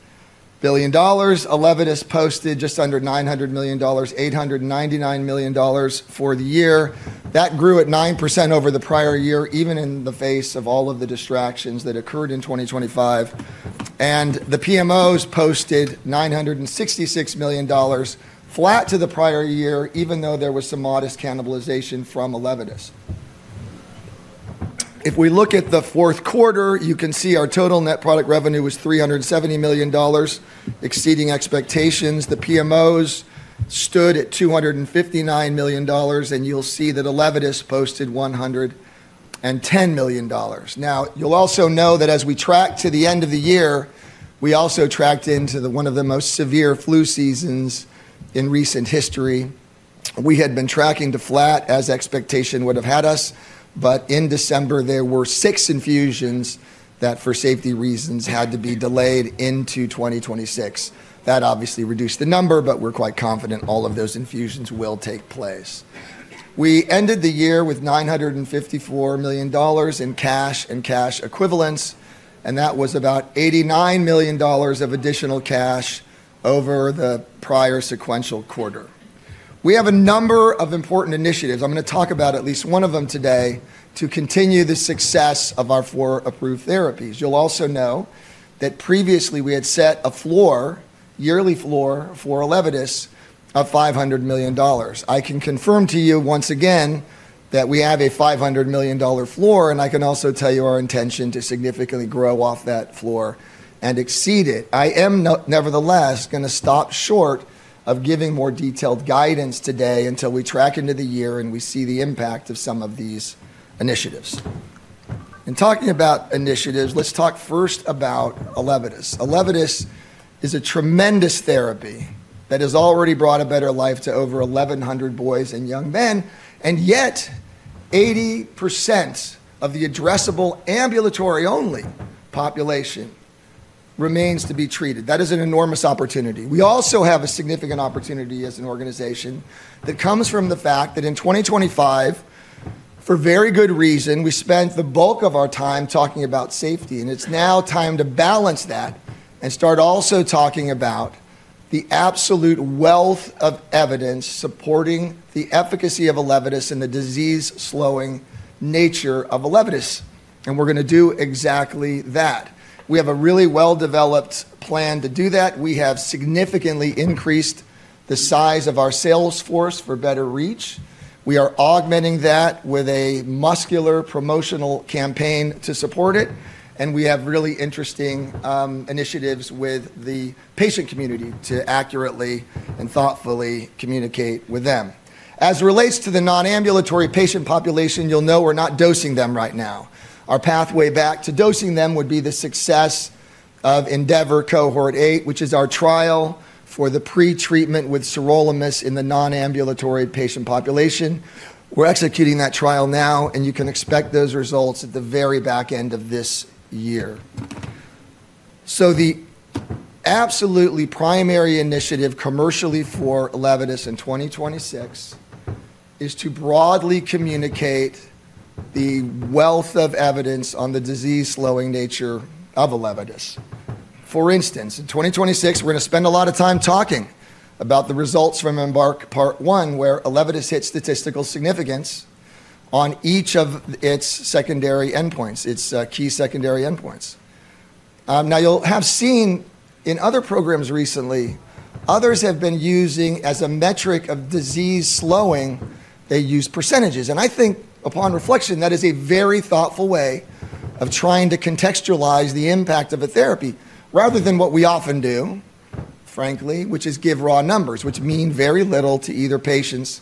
K: Elevidys posted just under $900 million, $899 million for the year. That grew at 9% over the prior year, even in the face of all of the distractions that occurred in 2025. And the PMOs posted $966 million, flat to the prior year, even though there was some modest cannibalization from Elevidys. If we look at the fourth quarter, you can see our total net product revenue was $370 million, exceeding expectations. The PMOs stood at $259 million, and you'll see that Elevidys posted $110 million. Now, you'll also know that as we tracked to the end of the year, we also tracked into one of the most severe flu seasons in recent history. We had been tracking to flat as expectation would have had us. But in December, there were six infusions that, for safety reasons, had to be delayed into 2026. That obviously reduced the number, but we're quite confident all of those infusions will take place. We ended the year with $954 million in cash and cash equivalents, and that was about $89 million of additional cash over the prior sequential quarter. We have a number of important initiatives. I'm going to talk about at least one of them today to continue the success of our four approved therapies. You'll also know that previously we had set a floor, yearly floor for Elevidys, of $500 million. I can confirm to you once again that we have a $500 million floor. I can also tell you our intention to significantly grow off that floor and exceed it. I am, nevertheless, going to stop short of giving more detailed guidance today until we track into the year and we see the impact of some of these initiatives. In talking about initiatives, let's talk first about Elevidys. Elevidys is a tremendous therapy that has already brought a better life to over 1,100 boys and young men. Yet, 80% of the addressable ambulatory-only population remains to be treated. That is an enormous opportunity. We also have a significant opportunity as an organization that comes from the fact that in 2025, for very good reason, we spent the bulk of our time talking about safety. It's now time to balance that and start also talking about the absolute wealth of evidence supporting the efficacy of Elevidys and the disease-slowing nature of Elevidys. We're going to do exactly that. We have a really well-developed plan to do that. We have significantly increased the size of our sales force for better reach. We are augmenting that with a muscular promotional campaign to support it. We have really interesting initiatives with the patient community to accurately and thoughtfully communicate with them. As it relates to the non-ambulatory patient population, you'll know we're not dosing them right now. Our pathway back to dosing them would be the success of ENDEAVOR Cohort 8, which is our trial for the pretreatment with sirolimus in the non-ambulatory patient population. We're executing that trial now, and you can expect those results at the very back end of this year. So the absolutely primary initiative commercially for Elevidys in 2026 is to broadly communicate the wealth of evidence on the disease-slowing nature of Elevidys. For instance, in 2026, we're going to spend a lot of time talking about the results from EMBARK Part 1, where Elevidys hit statistical significance on each of its secondary endpoints, its key secondary endpoints. Now, you'll have seen in other programs recently, others have been using as a metric of disease slowing, they use percentages. I think, upon reflection, that is a very thoughtful way of trying to contextualize the impact of a therapy rather than what we often do, frankly, which is give raw numbers, which mean very little to either patients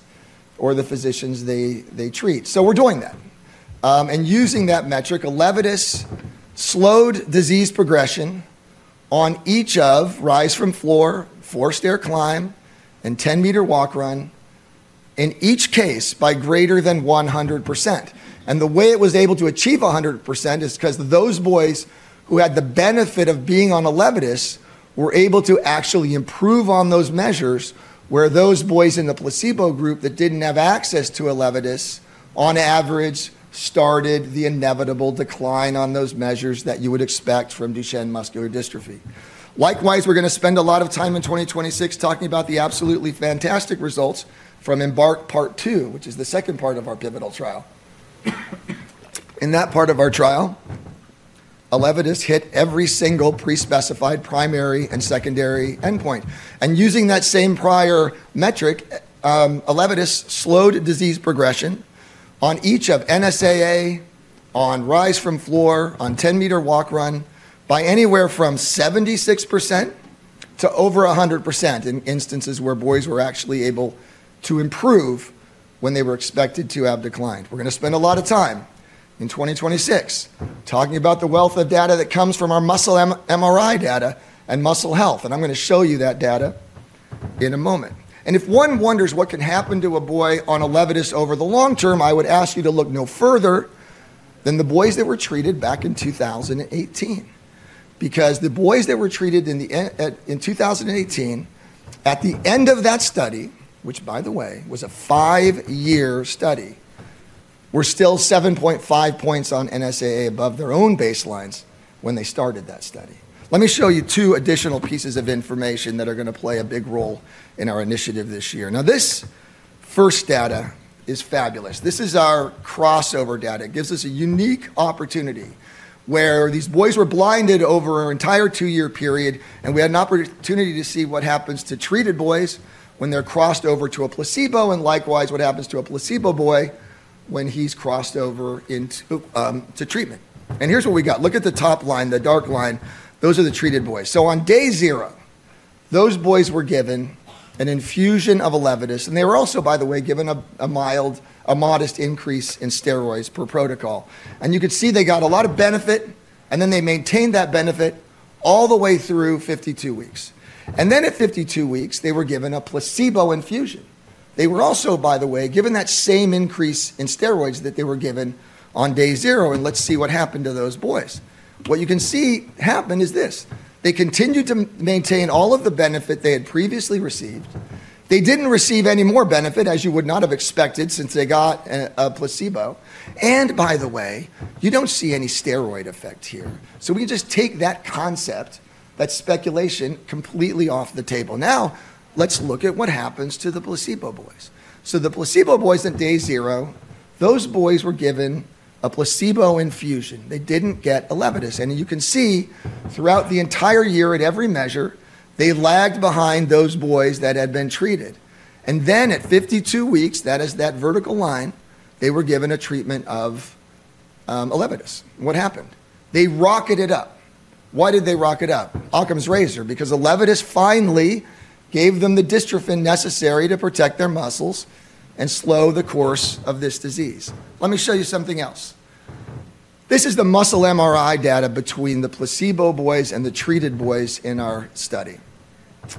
K: or the physicians they treat. So we're doing that. And using that metric, Elevidys slowed disease progression on each of rise from floor, four-stair climb, and 10-meter walk run in each case by greater than 100%. And the way it was able to achieve 100% is because those boys who had the benefit of being on Elevidys were able to actually improve on those measures, where those boys in the placebo group that didn't have access to Elevidys, on average, started the inevitable decline on those measures that you would expect from Duchenne muscular dystrophy. Likewise, we're going to spend a lot of time in 2026 talking about the absolutely fantastic results from Embark Part 2, which is the second part of our pivotal trial. In that part of our trial, Elevidys hit every single pre-specified primary and secondary endpoint. And using that same prior metric, Elevidys slowed disease progression on each of NSAA, on rise from floor, on 10-meter walk run by anywhere from 76% to over 100% in instances where boys were actually able to improve when they were expected to have declined. We're going to spend a lot of time in 2026 talking about the wealth of data that comes from our muscle MRI data and muscle health. And I'm going to show you that data in a moment. If one wonders what can happen to a boy on Elevidys over the long term, I would ask you to look no further than the boys that were treated back in 2018. Because the boys that were treated in 2018, at the end of that study, which, by the way, was a five-year study, were still 7.5 points on NSAA above their own baselines when they started that study. Let me show you two additional pieces of information that are going to play a big role in our initiative this year. Now, this first data is fabulous. This is our crossover data. It gives us a unique opportunity where these boys were blinded over our entire two-year period, and we had an opportunity to see what happens to treated boys when they're crossed over to a placebo and likewise what happens to a placebo boy when he's crossed over into treatment. And here's what we got. Look at the top line, the dark line. Those are the treated boys. So on day zero, those boys were given an infusion of Elevidys. And they were also, by the way, given a modest increase in steroids per protocol. And you could see they got a lot of benefit, and then they maintained that benefit all the way through 52 weeks. And then at 52 weeks, they were given a placebo infusion. They were also, by the way, given that same increase in steroids that they were given on day zero. Let's see what happened to those boys. What you can see happen is this. They continued to maintain all of the benefit they had previously received. They didn't receive any more benefit, as you would not have expected, since they got a placebo. By the way, you don't see any steroid effect here. We can just take that concept, that speculation, completely off the table. Now, let's look at what happens to the placebo boys. The placebo boys at day zero, those boys were given a placebo infusion. They didn't get Elevidys. You can see throughout the entire year at every measure, they lagged behind those boys that had been treated. Then at 52 weeks, that is that vertical line, they were given a treatment of Elevidys. What happened? They rocketed up. Why did they rocket up? Occam's razor. Because Elevidys finally gave them the dystrophin necessary to protect their muscles and slow the course of this disease. Let me show you something else. This is the muscle MRI data between the placebo boys and the treated boys in our study.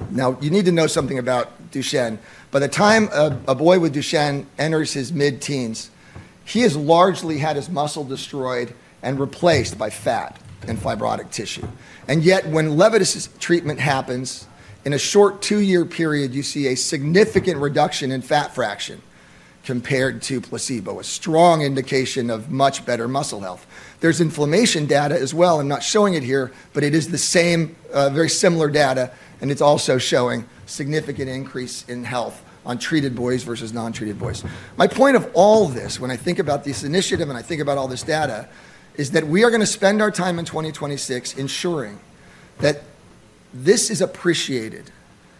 K: Now, you need to know something about Duchenne. By the time a boy with Duchenne enters his mid-teens, he has largely had his muscle destroyed and replaced by fat and fibrotic tissue. And yet, when Elevidys' treatment happens, in a short two-year period, you see a significant reduction in fat fraction compared to placebo, a strong indication of much better muscle health. There's inflammation data as well. I'm not showing it here, but it is the same, very similar data. And it's also showing significant increase in health on treated boys versus non-treated boys. My point of all this, when I think about this initiative and I think about all this data, is that we are going to spend our time in 2026 ensuring that this is appreciated,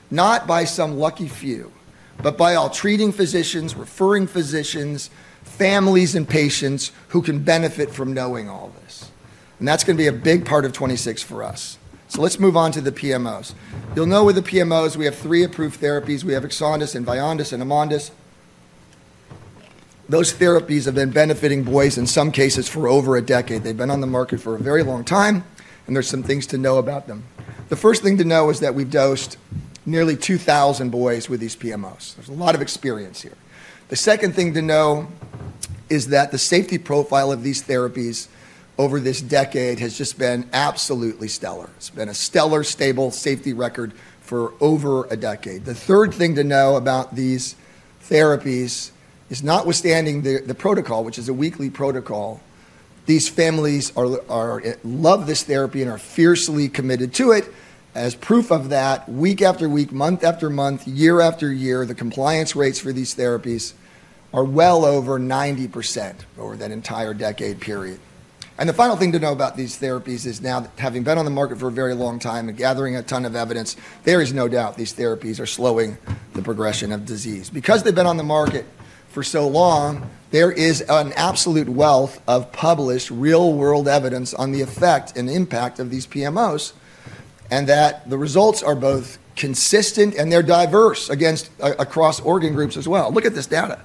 K: not by some lucky few, but by all treating physicians, referring physicians, families, and patients who can benefit from knowing all this, and that's going to be a big part of 26 for us. So let's move on to the PMOs. You'll know with the PMOs, we have three approved therapies. We have Exondys and Vyondys and Amondys. Those therapies have been benefiting boys in some cases for over a decade. They've been on the market for a very long time, and there's some things to know about them. The first thing to know is that we've dosed nearly 2,000 boys with these PMOs. There's a lot of experience here. The second thing to know is that the safety profile of these therapies over this decade has just been absolutely stellar. It's been a stellar, stable safety record for over a decade. The third thing to know about these therapies is, notwithstanding the protocol, which is a weekly protocol, these families love this therapy and are fiercely committed to it. As proof of that, week after week, month after month, year after year, the compliance rates for these therapies are well over 90% over that entire decade period. And the final thing to know about these therapies is now, having been on the market for a very long time and gathering a ton of evidence, there is no doubt these therapies are slowing the progression of disease. Because they've been on the market for so long, there is an absolute wealth of published real-world evidence on the effect and impact of these PMOs and that the results are both consistent and they're diverse across organ groups as well. Look at this data.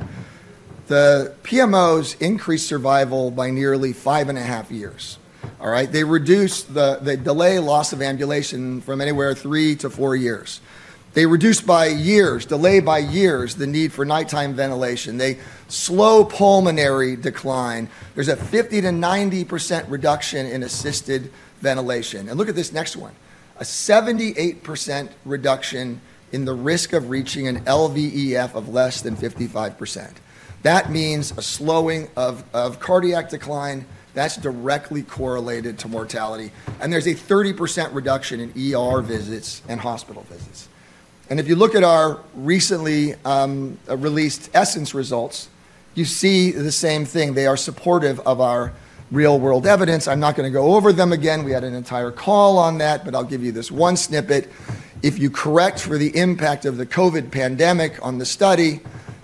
K: The PMOs increase survival by nearly five and a half years. All right? They delay loss of ambulation from anywhere three to four years. They reduce by years, delay by years, the need for nighttime ventilation. They slow pulmonary decline. There's a 50%-90% reduction in assisted ventilation. And look at this next one, a 78% reduction in the risk of reaching an LVEF of less than 55%. That means a slowing of cardiac decline that's directly correlated to mortality. And there's a 30% reduction in visits and hospital visits. If you look at our recently released Essence results, you see the same thing. They are supportive of our real-world evidence. I'm not going to go over them again. We had an entire call on that, but I'll give you this one snippet. If you correct for the impact of the COVID pandemic on the study,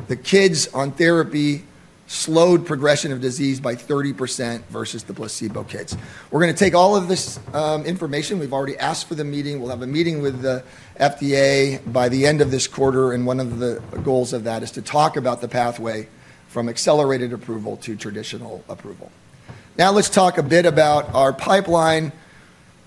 K: the kids on therapy slowed progression of disease by 30% versus the placebo kids. We're going to take all of this information. We've already asked for the meeting. We'll have a meeting with the FDA by the end of this quarter. And one of the goals of that is to talk about the pathway from accelerated approval to traditional approval. Now, let's talk a bit about our pipeline.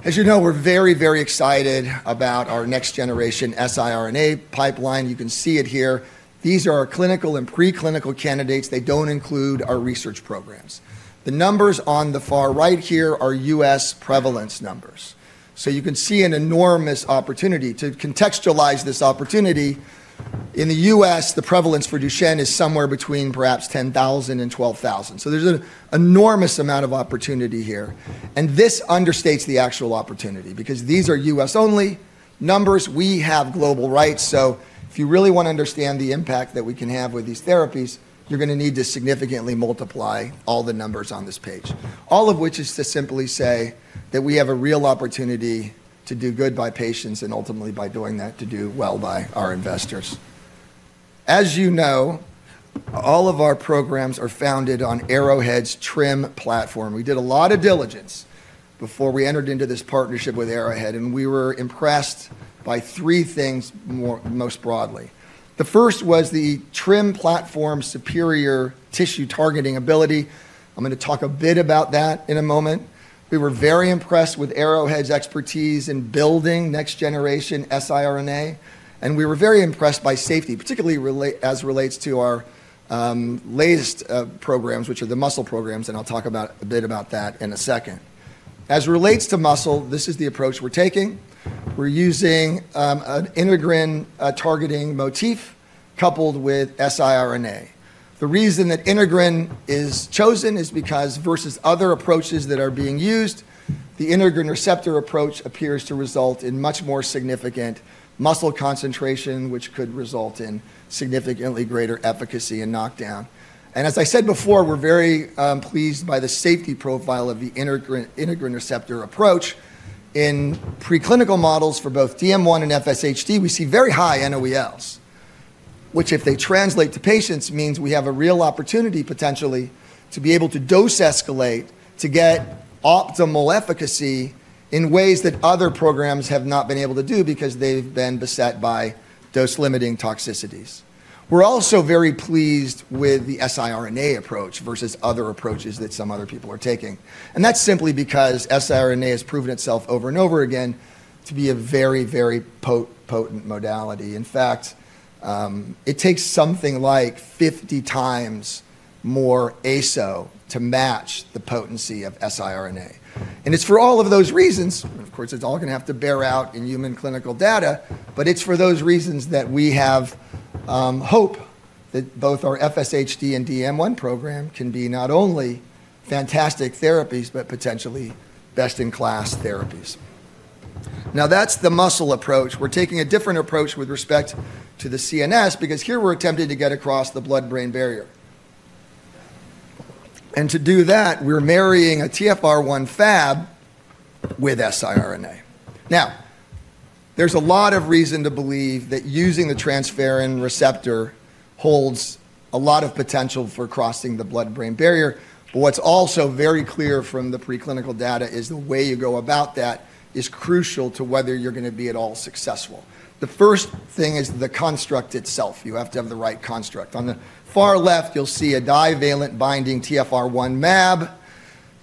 K: As you know, we're very, very excited about our next-generation siRNA pipeline. You can see it here. These are our clinical and preclinical candidates. They don't include our research programs. The numbers on the far right here are U.S. prevalence numbers. So you can see an enormous opportunity. To contextualize this opportunity, in the U.S., the prevalence for Duchenne is somewhere between perhaps 10,000 and 12,000. So there's an enormous amount of opportunity here. And this understates the actual opportunity because these are U.S.-only numbers. We have global rights. So if you really want to understand the impact that we can have with these therapies, you're going to need to significantly multiply all the numbers on this page, all of which is to simply say that we have a real opportunity to do good by patients and ultimately, by doing that, to do well by our investors. As you know, all of our programs are founded on Arrowhead's TRIM platform. We did a lot of diligence before we entered into this partnership with Arrowhead, and we were impressed by three things most broadly. The first was the TRiM platform's superior tissue targeting ability. I'm going to talk a bit about that in a moment. We were very impressed with Arrowhead's expertise in building next-generation siRNA. And we were very impressed by safety, particularly as it relates to our latest programs, which are the muscle programs. And I'll talk a bit about that in a second. As it relates to muscle, this is the approach we're taking. We're using an integrin targeting motif coupled with siRNA. The reason that integrin is chosen is because, versus other approaches that are being used, the integrin receptor approach appears to result in much more significant muscle concentration, which could result in significantly greater efficacy and knockdown. As I said before, we're very pleased by the safety profile of the integrin receptor approach. In preclinical models for both DM1 and FSHD, we see very high NOELs, which, if they translate to patients, means we have a real opportunity potentially to be able to dose escalate to get optimal efficacy in ways that other programs have not been able to do because they've been beset by dose-limiting toxicities. We're also very pleased with the siRNA approach versus other approaches that some other people are taking. And that's simply because siRNA has proven itself over and over again to be a very, very potent modality. In fact, it takes something like 50 times more ASO to match the potency of siRNA. And it's for all of those reasons. And of course, it's all going to have to bear out in human clinical data, but it's for those reasons that we have hope that both our FSHD and DM1 program can be not only fantastic therapies, but potentially best-in-class therapies. Now, that's the muscle approach. We're taking a different approach with respect to the CNS because here we're attempting to get across the blood-brain barrier. And to do that, we're marrying a TfR1 FAB with siRNA. Now, there's a lot of reason to believe that using the transferrin receptor holds a lot of potential for crossing the blood-brain barrier. But what's also very clear from the preclinical data is the way you go about that is crucial to whether you're going to be at all successful. The first thing is the construct itself. You have to have the right construct. On the far left, you'll see a divalent binding TFR1 MAB.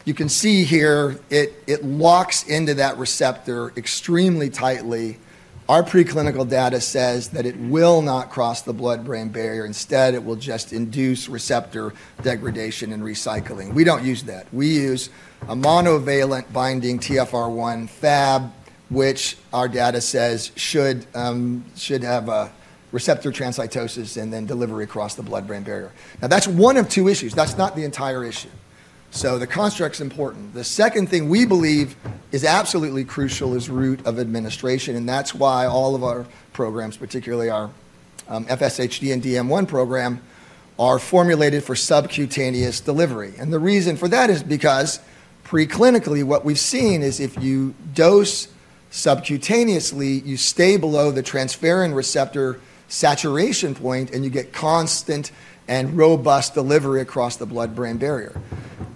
K: You can see here it locks into that receptor extremely tightly. Our preclinical data says that it will not cross the blood-brain barrier. Instead, it will just induce receptor degradation and recycling. We don't use that. We use a monovalent binding TFR1 FAB, which our data says should have a receptor transcytosis and then delivery across the blood-brain barrier. Now, that's one of two issues. That's not the entire issue. So the construct's important. The second thing we believe is absolutely crucial is route of administration. And that's why all of our programs, particularly our FSHD and DM1 program, are formulated for subcutaneous delivery. And the reason for that is because preclinically, what we've seen is if you dose subcutaneously, you stay below the transferrin receptor saturation point, and you get constant and robust delivery across the blood-brain barrier.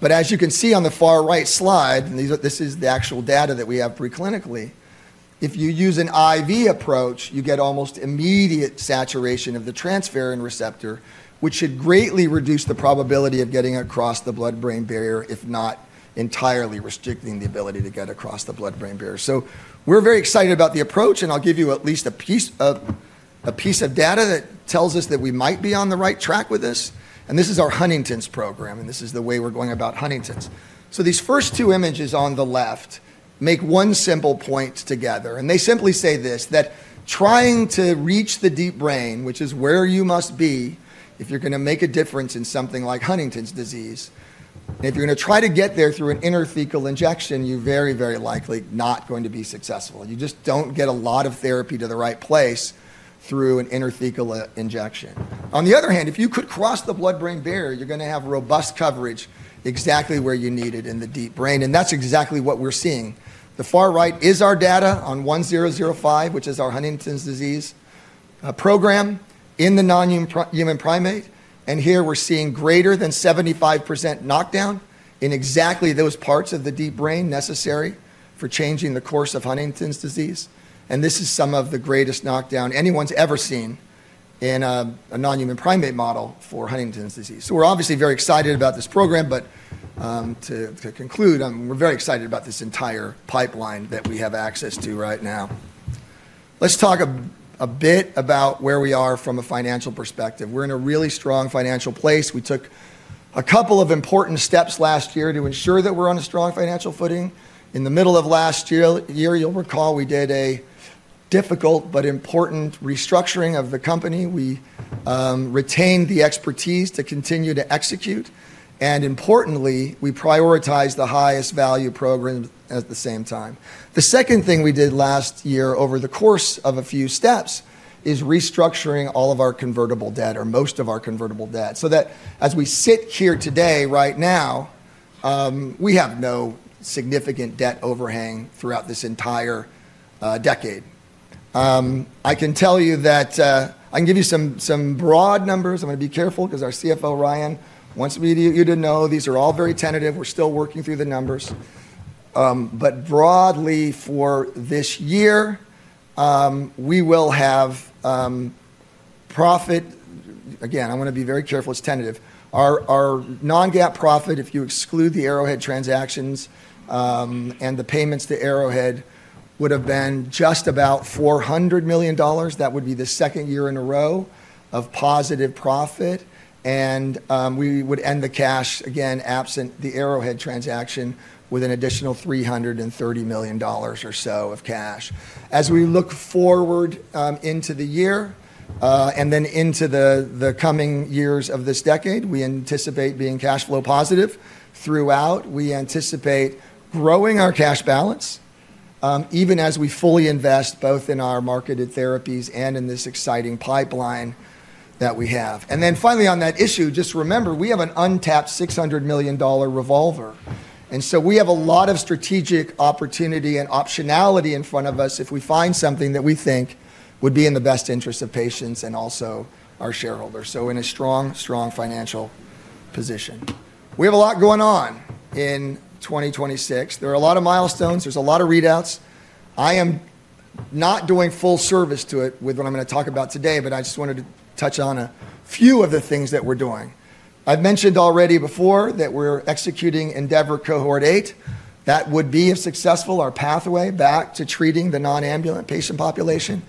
K: But as you can see on the far right slide, and this is the actual data that we have preclinically, if you use an IV approach, you get almost immediate saturation of the transferrin receptor, which should greatly reduce the probability of getting across the blood-brain barrier, if not entirely restricting the ability to get across the blood-brain barrier. So we're very excited about the approach. And I'll give you at least a piece of data that tells us that we might be on the right track with this. And this is our Huntington's program. And this is the way we're going about Huntington's. So these first two images on the left make one simple point together. They simply say this: that trying to reach the deep brain, which is where you must be if you're going to make a difference in something like Huntington's disease, if you're going to try to get there through an intrathecal injection, you're very, very likely not going to be successful. You just don't get a lot of therapy to the right place through an intrathecal injection. On the other hand, if you could cross the blood-brain barrier, you're going to have robust coverage exactly where you need it in the deep brain. And that's exactly what we're seeing. The far right is our data on 1005, which is our Huntington's disease program in the non-human primate. And here we're seeing greater than 75% knockdown in exactly those parts of the deep brain necessary for changing the course of Huntington's disease. This is some of the greatest knockdown anyone's ever seen in a non-human primate model for Huntington's Disease. We're obviously very excited about this program. To conclude, we're very excited about this entire pipeline that we have access to right now. Let's talk a bit about where we are from a financial perspective. We're in a really strong financial place. We took a couple of important steps last year to ensure that we're on a strong financial footing. In the middle of last year, you'll recall we did a difficult but important restructuring of the company. We retained the expertise to continue to execute. Importantly, we prioritized the highest value program at the same time. The second thing we did last year over the course of a few steps is restructuring all of our convertible debt or most of our convertible debt so that as we sit here today, right now, we have no significant debt overhang throughout this entire decade. I can tell you that I can give you some broad numbers. I'm going to be careful because our CFO, Ryan, wants you to know these are all very tentative. We're still working through the numbers. But broadly, for this year, we will have profit again, I want to be very careful. It's tentative. Our non-GAAP profit, if you exclude the Arrowhead transactions and the payments to Arrowhead, would have been just about $400 million. That would be the second year in a row of positive profit. And we would end the cash, again, absent the Arrowhead transaction, with an additional $330 million or so of cash. As we look forward into the year and then into the coming years of this decade, we anticipate being cash flow positive throughout. We anticipate growing our cash balance even as we fully invest both in our marketed therapies and in this exciting pipeline that we have. And then finally, on that issue, just remember we have an untapped $600 million revolver. And so we have a lot of strategic opportunity and optionality in front of us if we find something that we think would be in the best interest of patients and also our shareholders. So in a strong, strong financial position, we have a lot going on in 2026. There are a lot of milestones. There's a lot of readouts. I am not doing full service to it with what I'm going to talk about today, but I just wanted to touch on a few of the things that we're doing. I've mentioned already before that we're executing Endeavor Cohort 8. That would be, if successful, our pathway back to treating the non-ambulant patient population.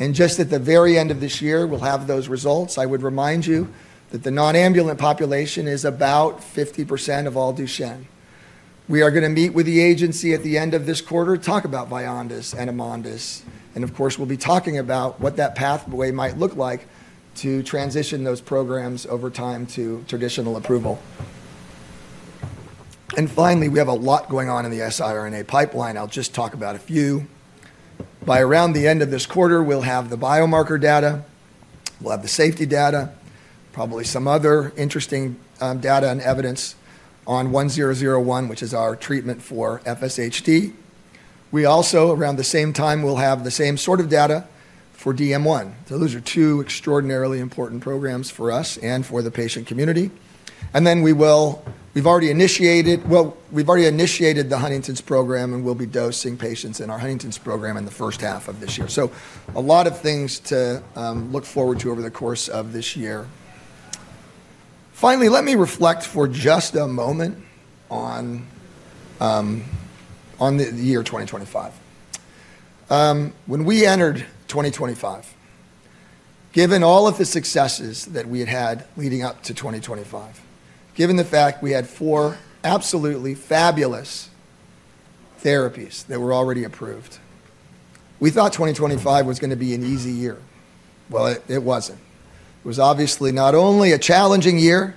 K: And just at the very end of this year, we'll have those results. I would remind you that the non-ambulant population is about 50% of all Duchenne. We are going to meet with the agency at the end of this quarter, talk about Vyondys and Amondys. And of course, we'll be talking about what that pathway might look like to transition those programs over time to traditional approval. And finally, we have a lot going on in the siRNA pipeline. I'll just talk about a few. By around the end of this quarter, we'll have the biomarker data. We'll have the safety data, probably some other interesting data and evidence on 1001, which is our treatment for FSHD. We also, around the same time, we'll have the same sort of data for DM1. So those are two extraordinarily important programs for us and for the patient community. And then we've already initiated, well, the Huntington's program, and we'll be dosing patients in our Huntington's program in the first half of this year. So a lot of things to look forward to over the course of this year. Finally, let me reflect for just a moment on the year 2025. When we entered 2025, given all of the successes that we had had leading up to 2025, given the fact we had four absolutely fabulous therapies that were already approved, we thought 2025 was going to be an easy year. Well, it wasn't. It was obviously not only a challenging year,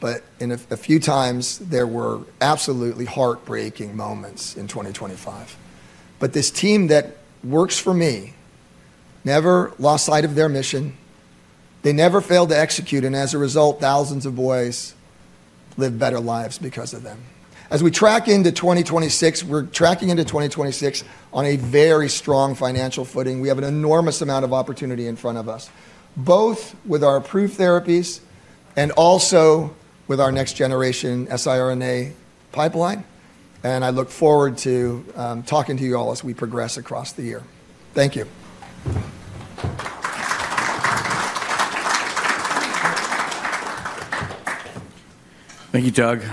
K: but in a few times, there were absolutely heartbreaking moments in 2025. But this team that works for me never lost sight of their mission. They never failed to execute. And as a result, thousands of boys live better lives because of them. As we track into 2026, we're tracking into 2026 on a very strong financial footing. We have an enormous amount of opportunity in front of us, both with our approved therapies and also with our next-generation siRNA pipeline. And I look forward to talking to you all as we progress across the year. Thank you.
J: Thank you, Doug.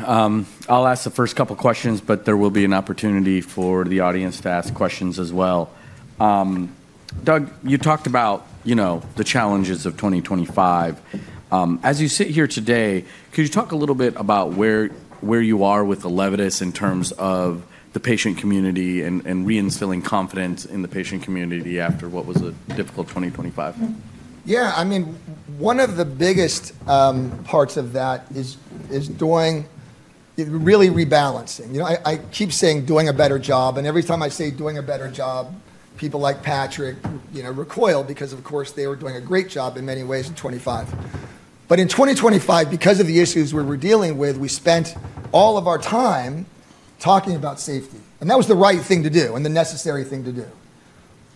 J: I'll ask the first couple of questions, but there will be an opportunity for the audience to ask questions as well. Doug, you talked about the challenges of 2025. As you sit here today, could you talk a little bit about where you are with Elevidys in terms of the patient community and reinstilling confidence in the patient community after what was a difficult 2025?
K: Yeah. I mean, one of the biggest parts of that is really rebalancing. I keep saying doing a better job, and every time I say doing a better job, people like Patrick recoil because, of course, they were doing a great job in many ways in 2024, but in 2025, because of the issues we were dealing with, we spent all of our time talking about safety, and that was the right thing to do and the necessary thing to do,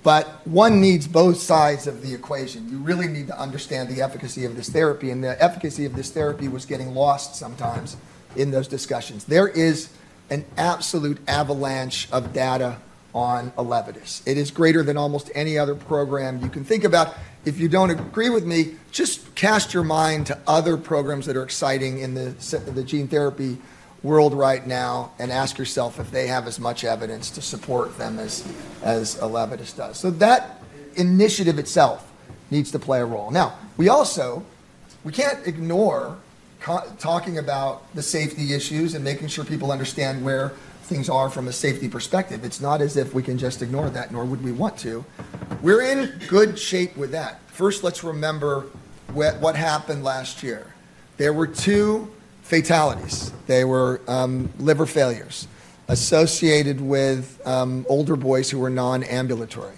K: but one needs both sides of the equation. You really need to understand the efficacy of this therapy, and the efficacy of this therapy was getting lost sometimes in those discussions. There is an absolute avalanche of data on Elevidys. It is greater than almost any other program you can think about. If you don't agree with me, just cast your mind to other programs that are exciting in the gene therapy world right now and ask yourself if they have as much evidence to support them as Elevidys does. So that initiative itself needs to play a role. Now, we can't ignore talking about the safety issues and making sure people understand where things are from a safety perspective. It's not as if we can just ignore that, nor would we want to. We're in good shape with that. First, let's remember what happened last year. There were two fatalities. They were liver failures associated with older boys who were non-ambulatory.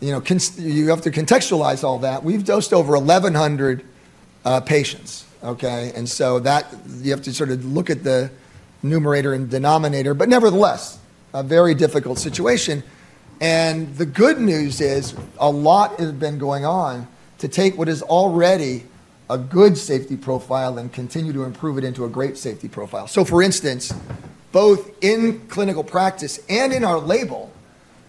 K: You have to contextualize all that. We've dosed over 1,100 patients, okay? And so you have to sort of look at the numerator and denominator. But nevertheless, a very difficult situation. The good news is a lot has been going on to take what is already a good safety profile and continue to improve it into a great safety profile. For instance, both in clinical practice and in our label,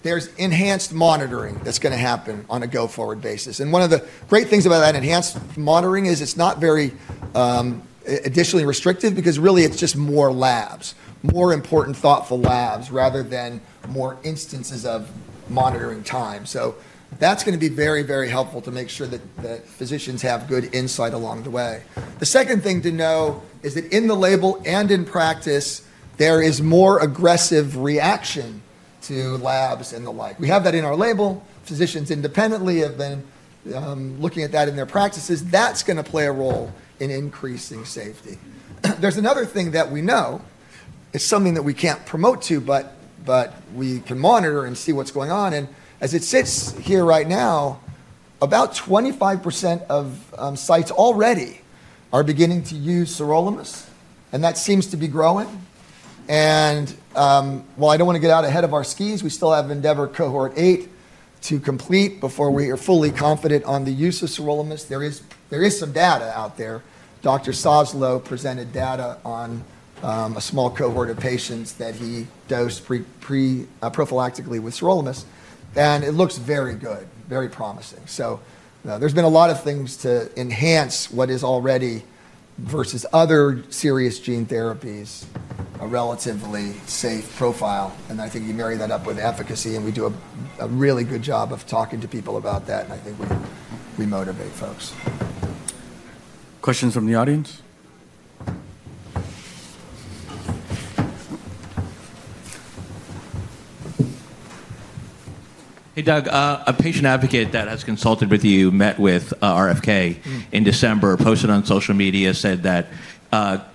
K: there's enhanced monitoring that's going to happen on a go-forward basis. One of the great things about that enhanced monitoring is it's not very additionally restrictive because really it's just more labs, more important thoughtful labs rather than more instances of monitoring time. That's going to be very, very helpful to make sure that physicians have good insight along the way. The second thing to know is that in the label and in practice, there is more aggressive reaction to labs and the like. We have that in our label. Physicians independently have been looking at that in their practices. That's going to play a role in increasing safety. There's another thing that we know. It's something that we can't promote to, but we can monitor and see what's going on. And as it sits here right now, about 25% of sites already are beginning to use sirolimus. And that seems to be growing. And while I don't want to get out ahead of our skis, we still have Endeavor Cohort 8 to complete before we are fully confident on the use of sirolimus. There is some data out there. Dr. Soslow presented data on a small cohort of patients that he dosed prophylactically with sirolimus. And it looks very good, very promising. So there's been a lot of things to enhance what is already versus other serious gene therapies, a relatively safe profile. And I think you marry that up with efficacy. We do a really good job of talking to people about that. I think we motivate folks.
A: Questions from the audience?
D: Hey, Doug. A patient advocate that has consulted with you met with RFK in December, posted on social media, said that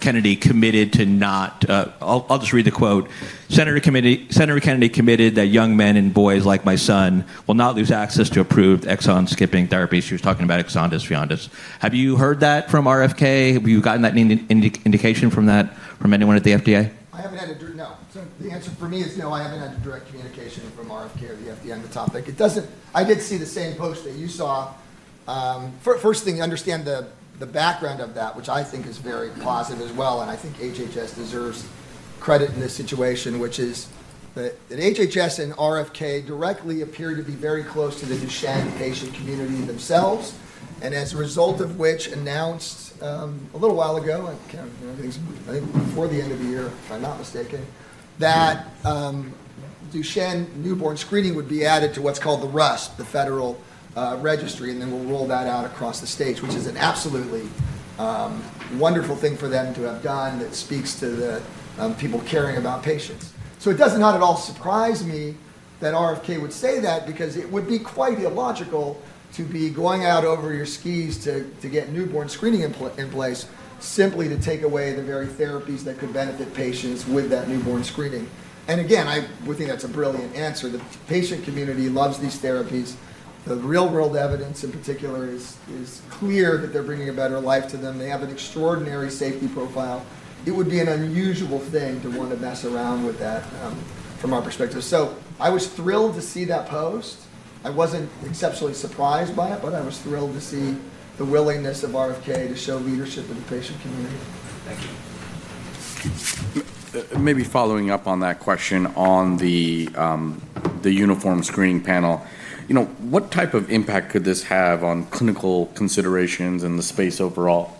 D: Kennedy committed to not. I'll just read the quote. Senator Kennedy committed that young men and boys like my son will not lose access to approved exon-skipping therapies. She was talking about Exondys. Have you heard that from RFK? Have you gotten that indication from anyone at the FDA?
K: I haven't had—no, the answer for me is no. I haven't had direct communication from RFK or the FDA on the topic. I did see the same post that you saw. First thing, understand the background of that, which I think is very positive as well, and I think HHS deserves credit in this situation, which is that HHS and RFK directly appear to be very close to the Duchenne patient community themselves, and as a result of which announced a little while ago, I can't remember, I think before the end of the year, if I'm not mistaken, that Duchenne newborn screening would be added to what's called the RUSP, the Federal Registry, then we'll roll that out across the states, which is an absolutely wonderful thing for them to have done, that speaks to the people caring about patients. So it does not at all surprise me that RFK would say that because it would be quite illogical to be going out over your skis to get newborn screening in place simply to take away the very therapies that could benefit patients with that newborn screening. And again, I would think that's a brilliant answer. The patient community loves these therapies. The real-world evidence, in particular, is clear that they're bringing a better life to them. They have an extraordinary safety profile. It would be an unusual thing to want to mess around with that from our perspective. So I was thrilled to see that post. I wasn't exceptionally surprised by it, but I was thrilled to see the willingness of RFK to show leadership of the patient community.
D: Thank you. Maybe following up on that question on the uniform screening panel, what type of impact could this have on clinical considerations and the space overall?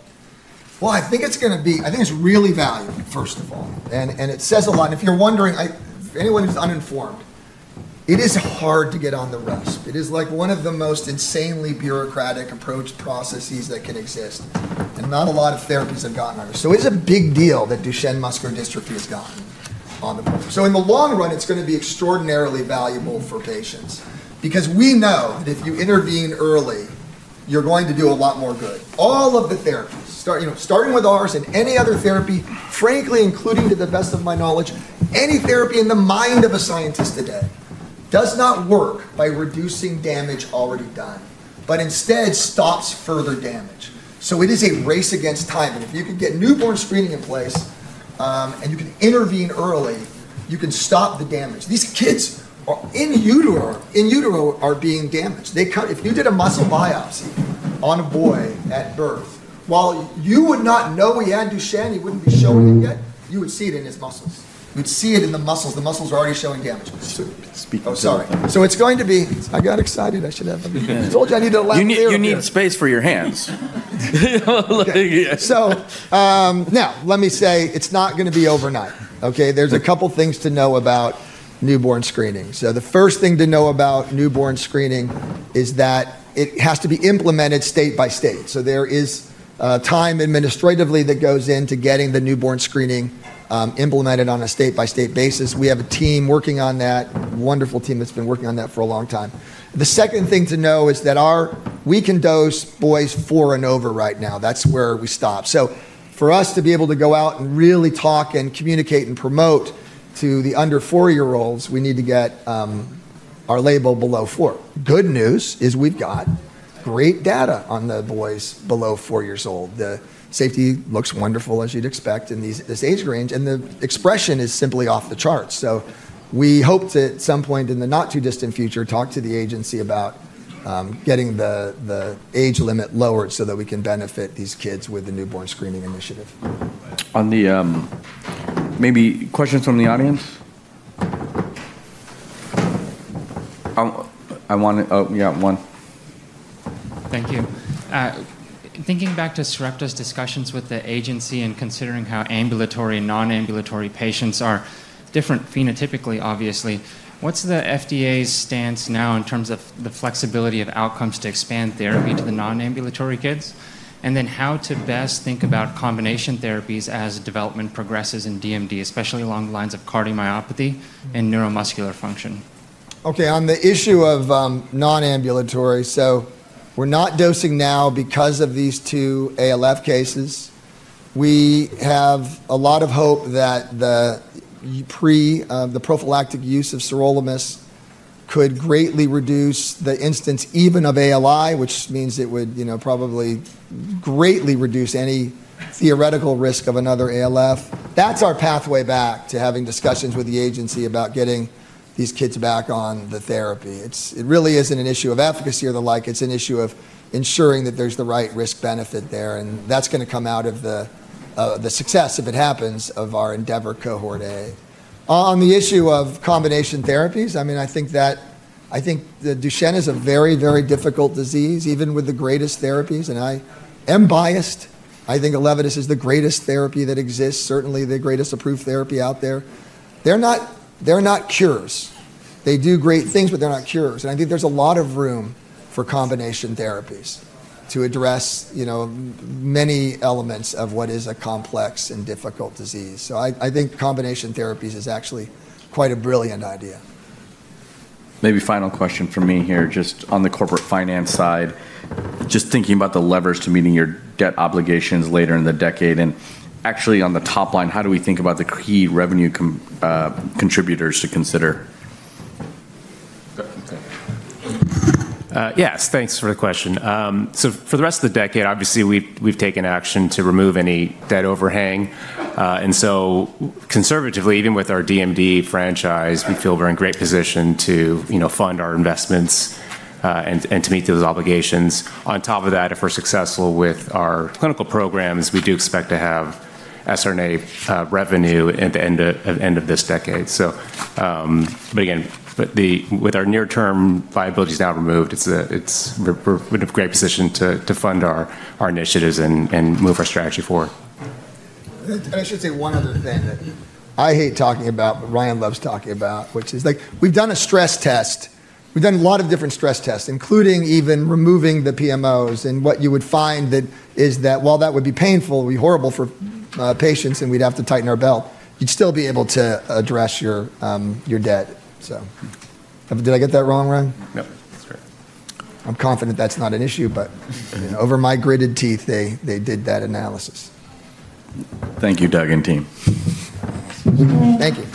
C: I think it's going to be, I think it's really valuable, first of all. It says a lot. If you're wondering, anyone who's uninformed, it is hard to get on the RUSP. It is one of the most insanely bureaucratic approach processes that can exist. Not a lot of therapies have gotten on RUSP. It is a big deal that Duchenne muscular dystrophy has gotten on the board. In the long run, it's going to be extraordinarily valuable for patients because we know that if you intervene early, you're going to do a lot more good. All of the therapies, starting with ours and any other therapy, frankly, including to the best of my knowledge, any therapy in the mind of a scientist today does not work by reducing damage already done, but instead stops further damage. It is a race against time. If you can get newborn screening in place and you can intervene early, you can stop the damage. These kids in utero are being damaged. If you did a muscle biopsy on a boy at birth, while you would not know he had Duchenne, you wouldn't be showing it yet. You would see it in his muscles. You'd see it in the muscles. The muscles are already showing damage.
D: Speaking of. Oh, sorry. So it's going to be, I got excited. I should have, I told you I need to let you hear about it.
J: You need space for your hands.
K: So now, let me say it's not going to be overnight, okay? There's a couple of things to know about newborn screening. So the first thing to know about newborn screening is that it has to be implemented state by state. So there is time administratively that goes into getting the newborn screening implemented on a state-by-state basis. We have a team working on that, a wonderful team that's been working on that for a long time. The second thing to know is that we can dose boys four and over right now. That's where we stop. So for us to be able to go out and really talk and communicate and promote to the under four-year-olds, we need to get our label below four. Good news is we've got great data on the boys below four years old. The safety looks wonderful, as you'd expect, in this age range. And the expression is simply off the charts. So we hope to, at some point in the not-too-distant future, talk to the agency about getting the age limit lowered so that we can benefit these kids with the newborn screening initiative.
J: Maybe questions from the audience? I want to, oh, yeah, one.
L: Thank you. Thinking back to Sarepta's discussions with the agency and considering how ambulatory and non-ambulatory patients are different phenotypically, obviously, what's the FDA's stance now in terms of the flexibility of outcomes to expand therapy to the non-ambulatory kids? And then how to best think about combination therapies as development progresses in DMD, especially along the lines of cardiomyopathy and neuromuscular function?
K: Okay. On the issue of non-ambulatory, so we're not dosing now because of these two ALF cases. We have a lot of hope that the prophylactic use of sirolimus could greatly reduce the incidence even of ALI, which means it would probably greatly reduce any theoretical risk of another ALF. That's our pathway back to having discussions with the agency about getting these kids back on the therapy. It really isn't an issue of efficacy or the like. It's an issue of ensuring that there's the right risk-benefit there. And that's going to come out of the success, if it happens, of our Endeavor Cohort A. On the issue of combination therapies, I mean, I think that I think the Duchenne is a very, very difficult disease, even with the greatest therapies. And I am biased. I think Elevidys is the greatest therapy that exists, certainly the greatest approved therapy out there. They're not cures. They do great things, but they're not cures, and I think there's a lot of room for combination therapies to address many elements of what is a complex and difficult disease, so I think combination therapies is actually quite a brilliant idea.
L: Maybe final question from me here, just on the corporate finance side, just thinking about the levers to meeting your debt obligations later in the decade, and actually, on the top line, how do we think about the key revenue contributors to consider?
J: Yes, thanks for the question. So for the rest of the decade, obviously, we've taken action to remove any debt overhang. And so conservatively, even with our DMD franchise, we feel we're in great position to fund our investments and to meet those obligations. On top of that, if we're successful with our clinical programs, we do expect to have SR&A revenue at the end of this decade. But again, with our near-term liabilities now removed, we're in a great position to fund our initiatives and move our strategy forward.
K: And I should say one other thing that I hate talking about, but Ryan loves talking about, which is we've done a stress test. We've done a lot of different stress tests, including even removing the PMOs. And what you would find is that while that would be painful, be horrible for patients, and we'd have to tighten our belt, you'd still be able to address your debt. So did I get that wrong, Ryan?
L: No, that's correct.
K: I'm confident that's not an issue, but over-migrated teeth, they did that analysis.
L: Thank you, Doug and team.
K: Thank you.